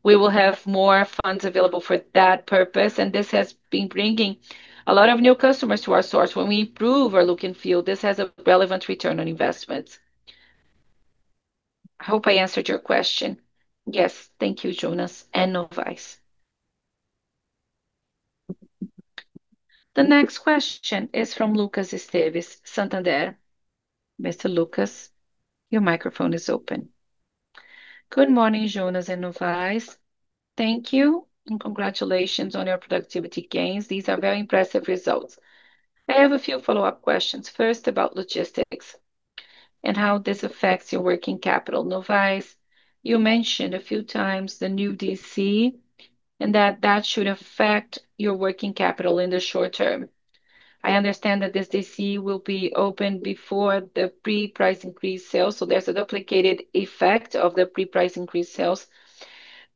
we will have more funds available for that purpose. This has been bringing a lot of new customers to our stores. When we improve our look and feel, this has a relevant return on investment. I hope I answered your question. Yes. Thank you, Jonas and Novais. The next question is from Lucas Esteves, Santander. Mr. Lucas, your microphone is open. Good morning, Jonas and Novais. Thank you and congratulations on your productivity gains. These are very impressive results. I have a few follow-up questions, first about logistics and how this affects your working capital. Novais, you mentioned a few times the new DC and that should affect your working capital in the short term. I understand that this DC will be open before the pre-price increase sales, so there's a duplicated effect of the pre-price increase sales.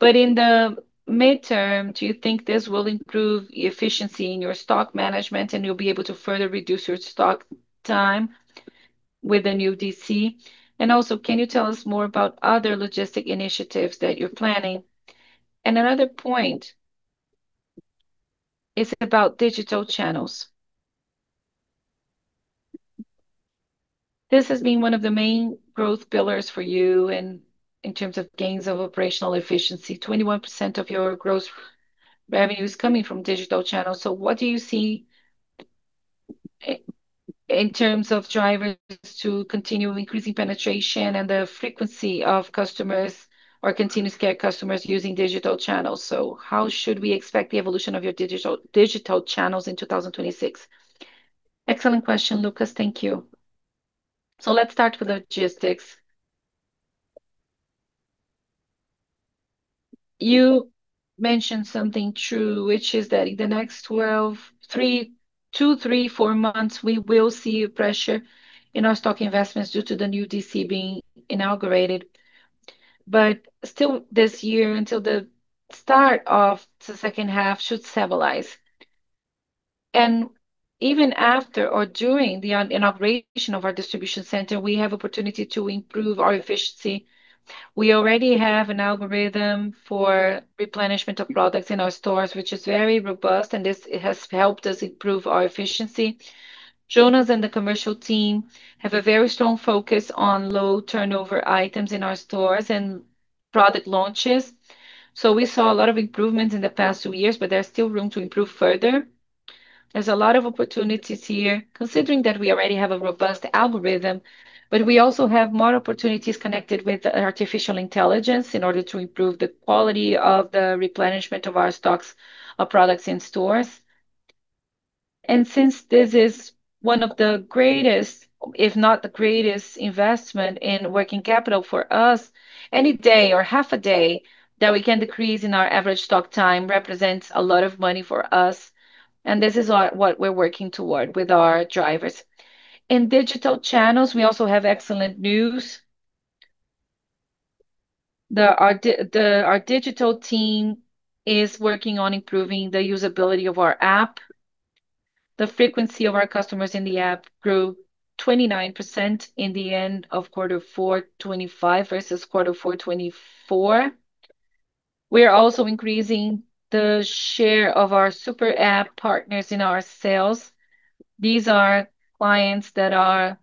In the midterm, do you think this will improve efficiency in your stock management and you'll be able to further reduce your stock time with the new DC? Also, can you tell us more about other logistic initiatives that you're planning? Another point is about digital channels. This has been one of the main growth pillars for you in terms of gains of operational efficiency. 21% of your gross revenue is coming from digital channels. What do you see in terms of drivers to continue increasing penetration and the frequency of customers or continuous customers using digital channels? How should we expect the evolution of your digital channels in 2026? Excellent question, Lucas. Thank you. Let's start with logistics. You mentioned something true, which is that in the next two, three, four months we will see a pressure in our stock investments due to the new DC being inaugurated. Still this year until the start of the second half should stabilize. Even after or during the inauguration of our distribution center, we have opportunity to improve our efficiency. We already have an algorithm for replenishment of products in our stores, which is very robust, and this has helped us improve our efficiency. Jonas and the commercial team have a very strong focus on low turnover items in our stores and product launches. We saw a lot of improvements in the past two years, but there's still room to improve further. There's a lot of opportunities here considering that we already have a robust algorithm, but we also have more opportunities connected with artificial intelligence in order to improve the quality of the replenishment of our stocks of products in stores. Since this is one of the greatest, if not the greatest investment in working capital for us, any day or half a day that we can decrease in our average stock time represents a lot of money for us, and this is our, what we're working toward with our drivers. In digital channels, we also have excellent news. Our digital team is working on improving the usability of our app. The frequency of our customers in the app grew 29% in the end of Q4 2025 versus Q4 2024. We're also increasing the share of our super app partners in our sales. Our clients are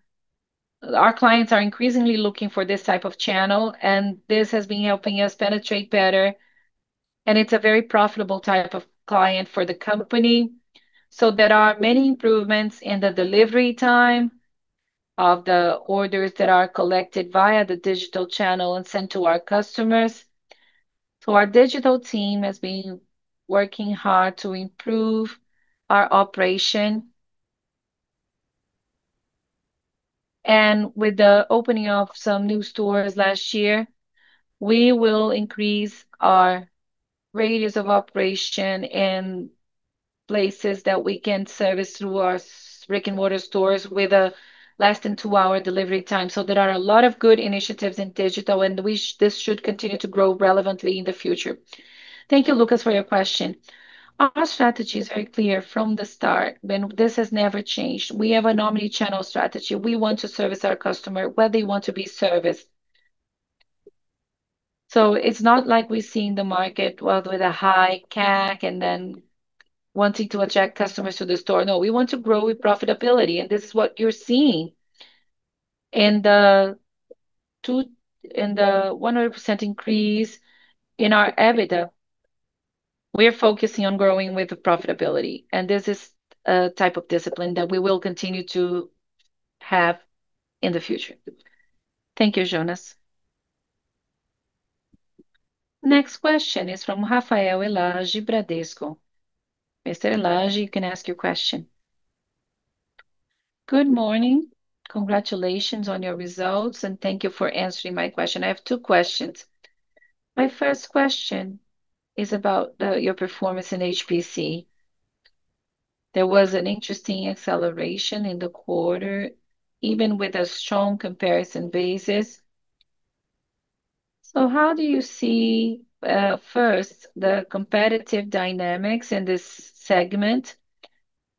increasingly looking for this type of channel, and this has been helping us penetrate better, and it's a very profitable type of client for the company. There are many improvements in the delivery time of the orders that are collected via the digital channel and sent to our customers. Our digital team has been working hard to improve our operation. With the opening of some new stores last year, we will increase our radius of operation in places that we can service through our brick-and-mortar stores with a less than 2-hour delivery time. There are a lot of good initiatives in digital, and this should continue to grow relevantly in the future. Thank you, Lucas, for your question. Our strategy is very clear from the start, and this has never changed. We have a omni-channel strategy. We want to service our customer where they want to be serviced. It's not like we're seeing the market well with a high CAC and then wanting to attract customers to the store. No, we want to grow with profitability, and this is what you're seeing. In the 100% increase in our EBITDA, we're focusing on growing with the profitability, and this is a type of discipline that we will continue to have in the future. Thank you, Jonas. Next question is from Rafael Alage, Bradesco. Mr. Alage, you can ask your question. Good morning. Congratulations on your results, and thank you for answering my question. I have two questions. My first question is about your performance in HPC. There was an interesting acceleration in the quarter, even with a strong comparison basis. How do you see, first, the competitive dynamics in this segment?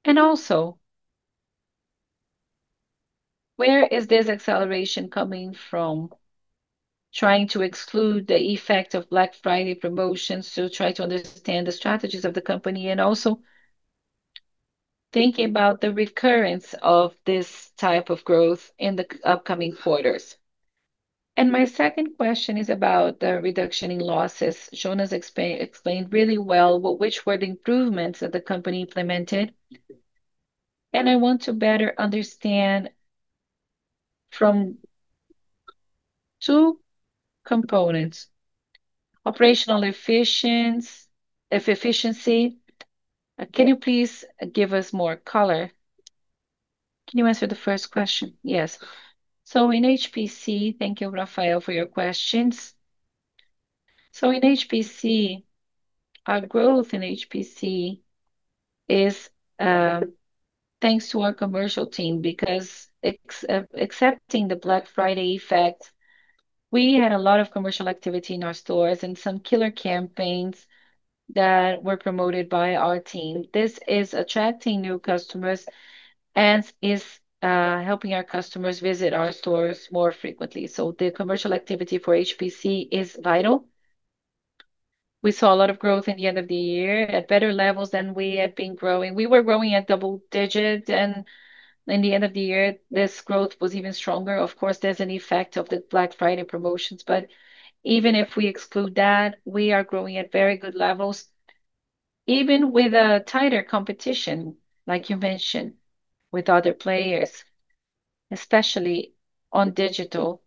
Also, where is this acceleration coming from? Trying to exclude the effect of Black Friday promotions to try to understand the strategies of the company and also thinking about the recurrence of this type of growth in the upcoming quarters. My second question is about the reduction in losses. Jonas explained really well which were the improvements that the company implemented. I want to better understand from two components, operational efficiency. Can you please give us more color? Can you answer the first question? Yes. In HPC. Thank you, Rafael, for your questions. In HPC, our growth in HPC is thanks to our commercial team because excepting the Black Friday effect, we had a lot of commercial activity in our stores and some killer campaigns that were promoted by our team. This is attracting new customers and is helping our customers visit our stores more frequently. The commercial activity for HPC is vital. We saw a lot of growth in the end of the year at better levels than we had been growing. We were growing at double-digit and in the end of the year, this growth was even stronger. Of course, there's an effect of the Black Friday promotions, but even if we exclude that, we are growing at very good levels. Even with a tighter competition, like you mentioned, with other players, especially on digital,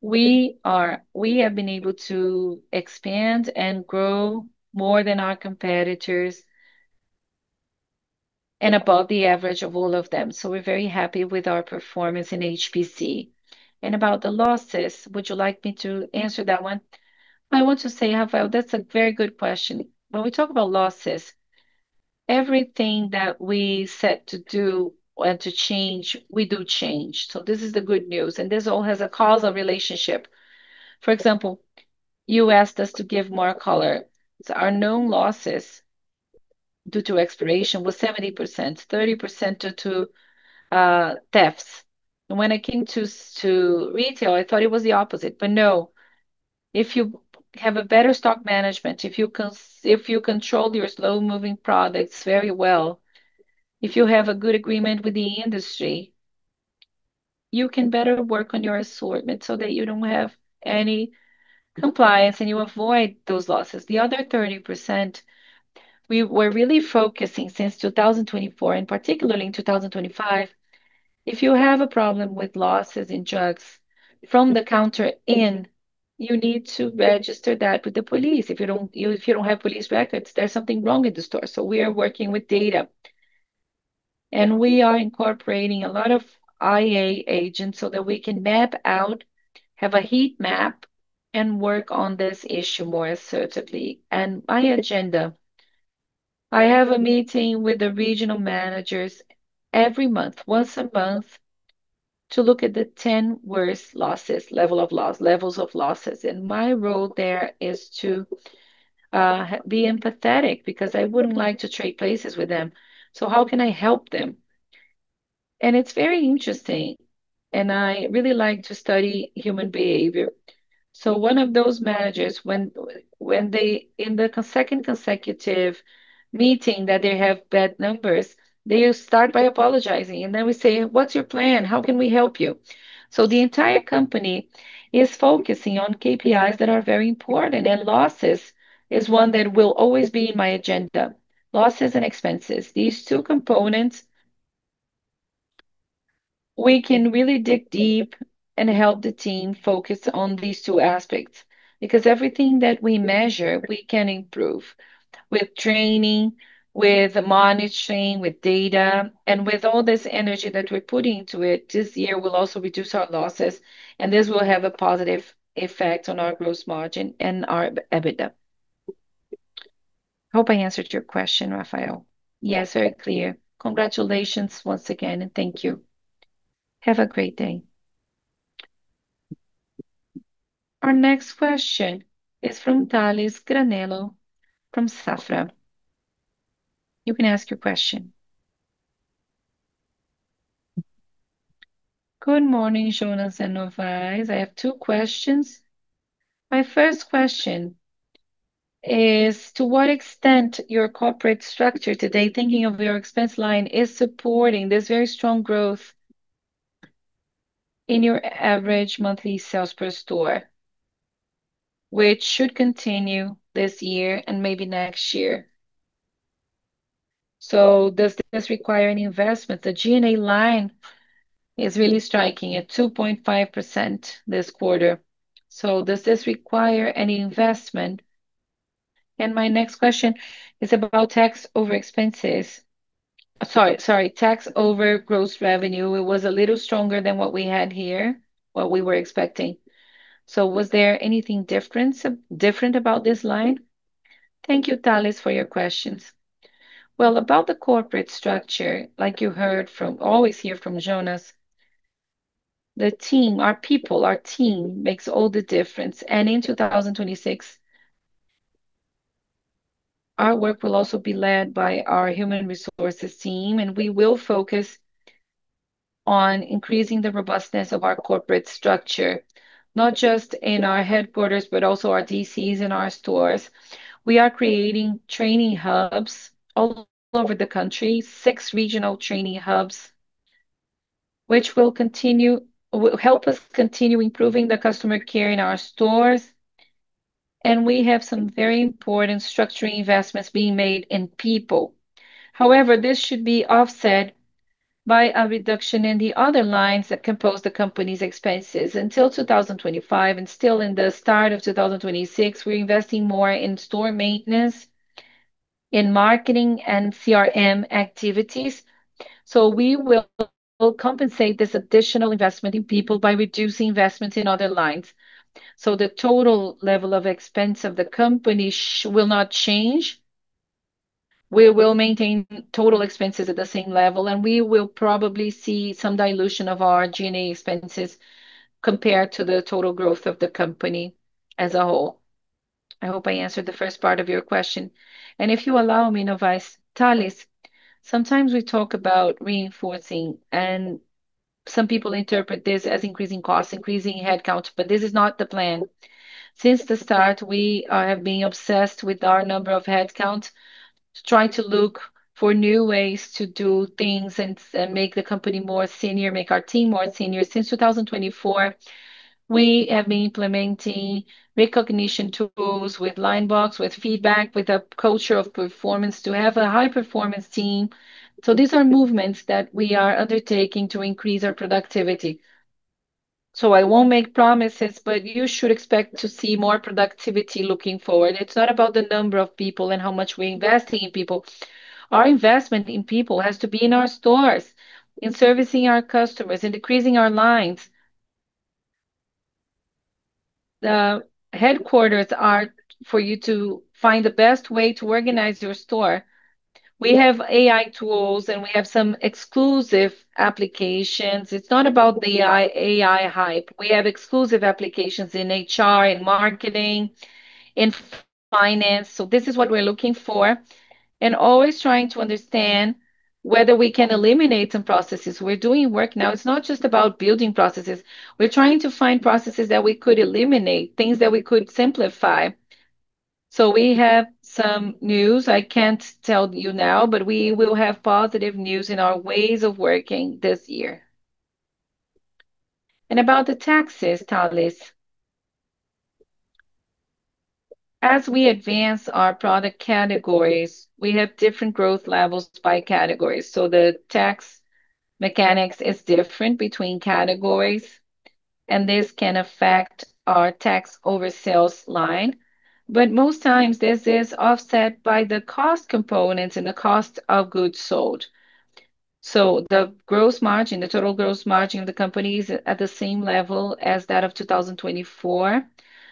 we have been able to expand and grow more than our competitors and above the average of all of them. We're very happy with our performance in HPC. About the losses, would you like me to answer that one? I want to say, Rafael, that's a very good question. When we talk about losses, everything that we set to do and to change, we do change. This is the good news, and this all has a causal relationship. For example, you asked us to give more color. Our known losses due to expiration was 70%, 30% due to thefts. When it came to retail, I thought it was the opposite. No, if you have a better stock management, if you control your slow-moving products very well, if you have a good agreement with the industry, you can better work on your assortment so that you don't have any compliance, and you avoid those losses. The other 30%, we were really focusing since 2024, and particularly in 2025, if you have a problem with losses in drugs from the counter in, you need to register that with the police. If you don't have police records, there's something wrong in the store. We are working with data. We are incorporating a lot of IA agents so that we can map out, have a heat map, and work on this issue more assertively. My agenda, I have a meeting with the regional managers every month, once a month, to look at the 10 worst losses, levels of losses. My role there is to be empathetic because I wouldn't like to trade places with them. How can I help them? It's very interesting, and I really like to study human behavior. One of those managers, when they in the second consecutive meeting that they have bad numbers, they start by apologizing. We say, "What's your plan? How can we help you?" The entire company is focusing on KPIs that are very important. Losses is one that will always be in my agenda. Losses and expenses. These two components, we can really dig deep and help the team focus on these two aspects because everything that we measure, we can improve with training, with monitoring, with data. With all this energy that we're putting into it, this year we'll also reduce our losses, and this will have a positive effect on our gross margin and our EBITDA. Hope I answered your question, Rafael. Yes, very clear. Congratulations once again, thank you. Have a great day. Our next question is from Tales Granello from Safra. You can ask your question. Good morning, Jonas and Novais. I have two questions. My first question is, to what extent your corporate structure today, thinking of your expense line, is supporting this very strong growth in your average monthly sales per store, which should continue this year and maybe next year. Does this require any investment? The G&A line is really striking at 2.5% this quarter. Does this require any investment? My next question is about tax over expenses. Sorry, tax over gross revenue. It was a little stronger than what we had here, what we were expecting. Was there anything different about this line? Thank you, Tales, for your questions. Well, about the corporate structure, like you always hear from Jonas, the team, our people, our team makes all the difference. In 2026, our work will also be led by our human resources team, and we will focus on increasing the robustness of our corporate structure, not just in our headquarters, but also our DCs and our stores. We are creating training hubs all over the country, 6 regional training hubs, which will help us continue improving the customer care in our stores, and we have some very important structuring investments being made in people. However, this should be offset by a reduction in the other lines that compose the company's expenses. Until 2025, and still in the start of 2026, we're investing more in store maintenance, in marketing and CRM activities. We will compensate this additional investment in people by reducing investments in other lines. The total level of expense of the company will not change. We will maintain total expenses at the same level, and we will probably see some dilution of our G&A expenses compared to the total growth of the company as a whole. I hope I answered the first part of your question. If you allow me, Novais Tales, sometimes we talk about reinforcing, and some people interpret this as increasing costs, increasing headcount, but this is not the plan. Since the start, we have been obsessed with our number of headcount to try to look for new ways to do things and make the company more senior, make our team more senior. Since 2024, we have been implementing recognition tools with NineBox, with feedback, with a culture of performance to have a high-performance team. These are movements that we are undertaking to increase our productivity. I won't make promises, but you should expect to see more productivity looking forward. It's not about the number of people and how much we're investing in people. Our investment in people has to be in our stores, in servicing our customers, in decreasing our lines. The headquarters are for you to find the best way to organize your store. We have AI tools, and we have some exclusive applications. It's not about the AI hype. We have exclusive applications in HR, in marketing, in finance. This is what we're looking for and always trying to understand whether we can eliminate some processes. We're doing work now. It's not just about building processes. We're trying to find processes that we could eliminate, things that we could simplify. We have some news I can't tell you now, but we will have positive news in our ways of working this year. About the taxes, Tales, as we advance our product categories, we have different growth levels by categories. The tax mechanics is different between categories, and this can affect our tax over sales line. Most times, this is offset by the cost components and the cost of goods sold. The gross margin, the total gross margin of the company is at the same level as that of 2024.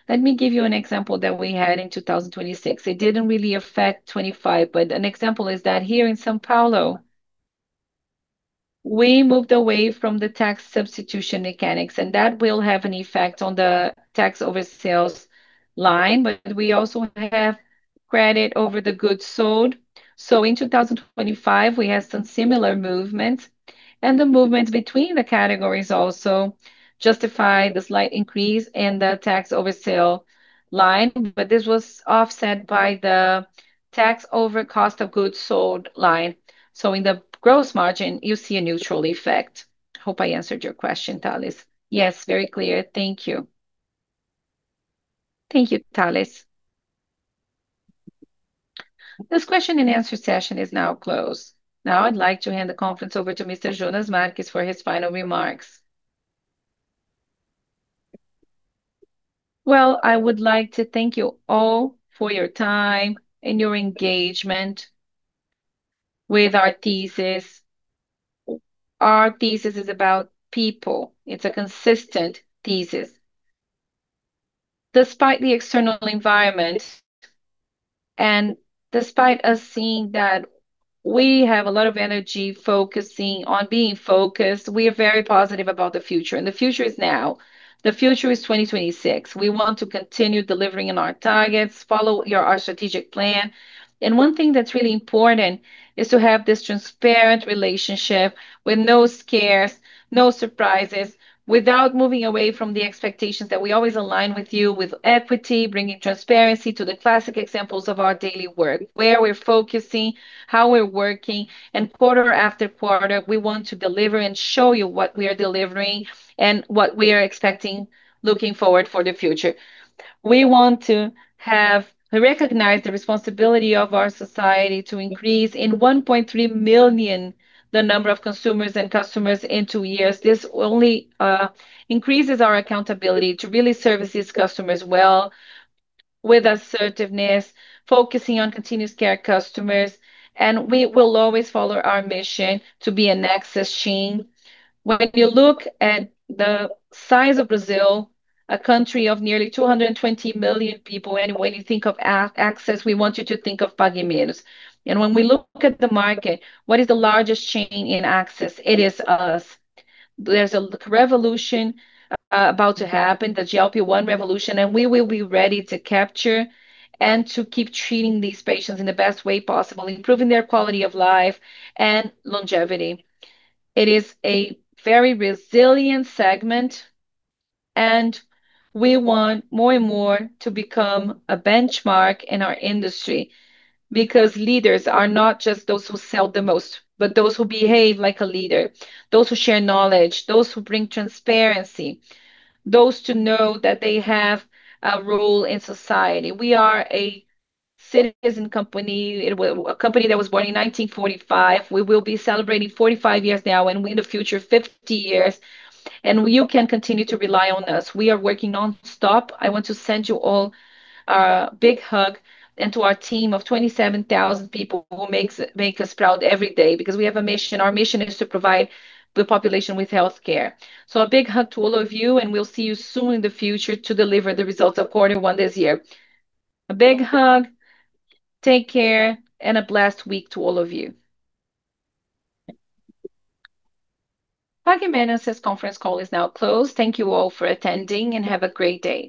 Let me give you an example that we had in 2026. It didn't really affect 25, but an example is that here in São Paulo, we moved away from the tax substitution mechanics, and that will have an effect on the tax over sales line. We also have credit over the goods sold. In 2025, we had some similar movements, and the movements between the categories also justify the slight increase in the tax over sale line. This was offset by the tax over cost of goods sold line. In the gross margin, you see a neutral effect. Hope I answered your question, Tales. Yes, very clear. Thank you. Thank you, Tales. This question and answer session is now closed. Now, I'd like to hand the conference over to Mr. Jonas Marques for his final remarks. Well, I would like to thank you all for your time and your engagement with our thesis. Our thesis is about people. It's a consistent thesis. Despite the external environment and despite us seeing that we have a lot of energy focusing on being focused, we are very positive about the future, and the future is now. The future is 2026. We want to continue delivering on our targets, follow our strategic plan. One thing that's really important is to have this transparent relationship with no scares, no surprises, without moving away from the expectations that we always align with you with equity, bringing transparency to the classic examples of our daily work, where we're focusing, how we're working. Quarter after quarter, we want to deliver and show you what we are delivering and what we are expecting looking forward for the future. We want to recognize the responsibility of our society to increase in 1.3 million the number of consumers and customers in 2 years. This only increases our accountability to really service these customers well with assertiveness, focusing on continuous care customers, and we will always follow our mission to be an access chain. When you look at the size of Brazil, a country of nearly 220 million people, and when you think of access, we want you to think of Pague Menos. When we look at the market, what is the largest chain in access? It is us. There's a revolution about to happen, the GLP-1 revolution, and we will be ready to capture and to keep treating these patients in the best way possible, improving their quality of life and longevity. It is a very resilient segment, and we want more and more to become a benchmark in our industry because leaders are not just those who sell the most, but those who behave like a leader, those who share knowledge, those who bring transparency, those to know that they have a role in society. A company that was born in 1945. We will be celebrating 45 years now, and we in the future, 50 years, and you can continue to rely on us. We are working nonstop. I want to send you all a big hug and to our team of 27,000 people who make us proud every day because we have a mission. Our mission is to provide the population with healthcare. A big hug to all of you, and we'll see you soon in the future to deliver the results of quarter one this year. A big hug, take care, and a blessed week to all of you. Pague Menos' conference call is now closed. Thank you all for attending, and have a great day.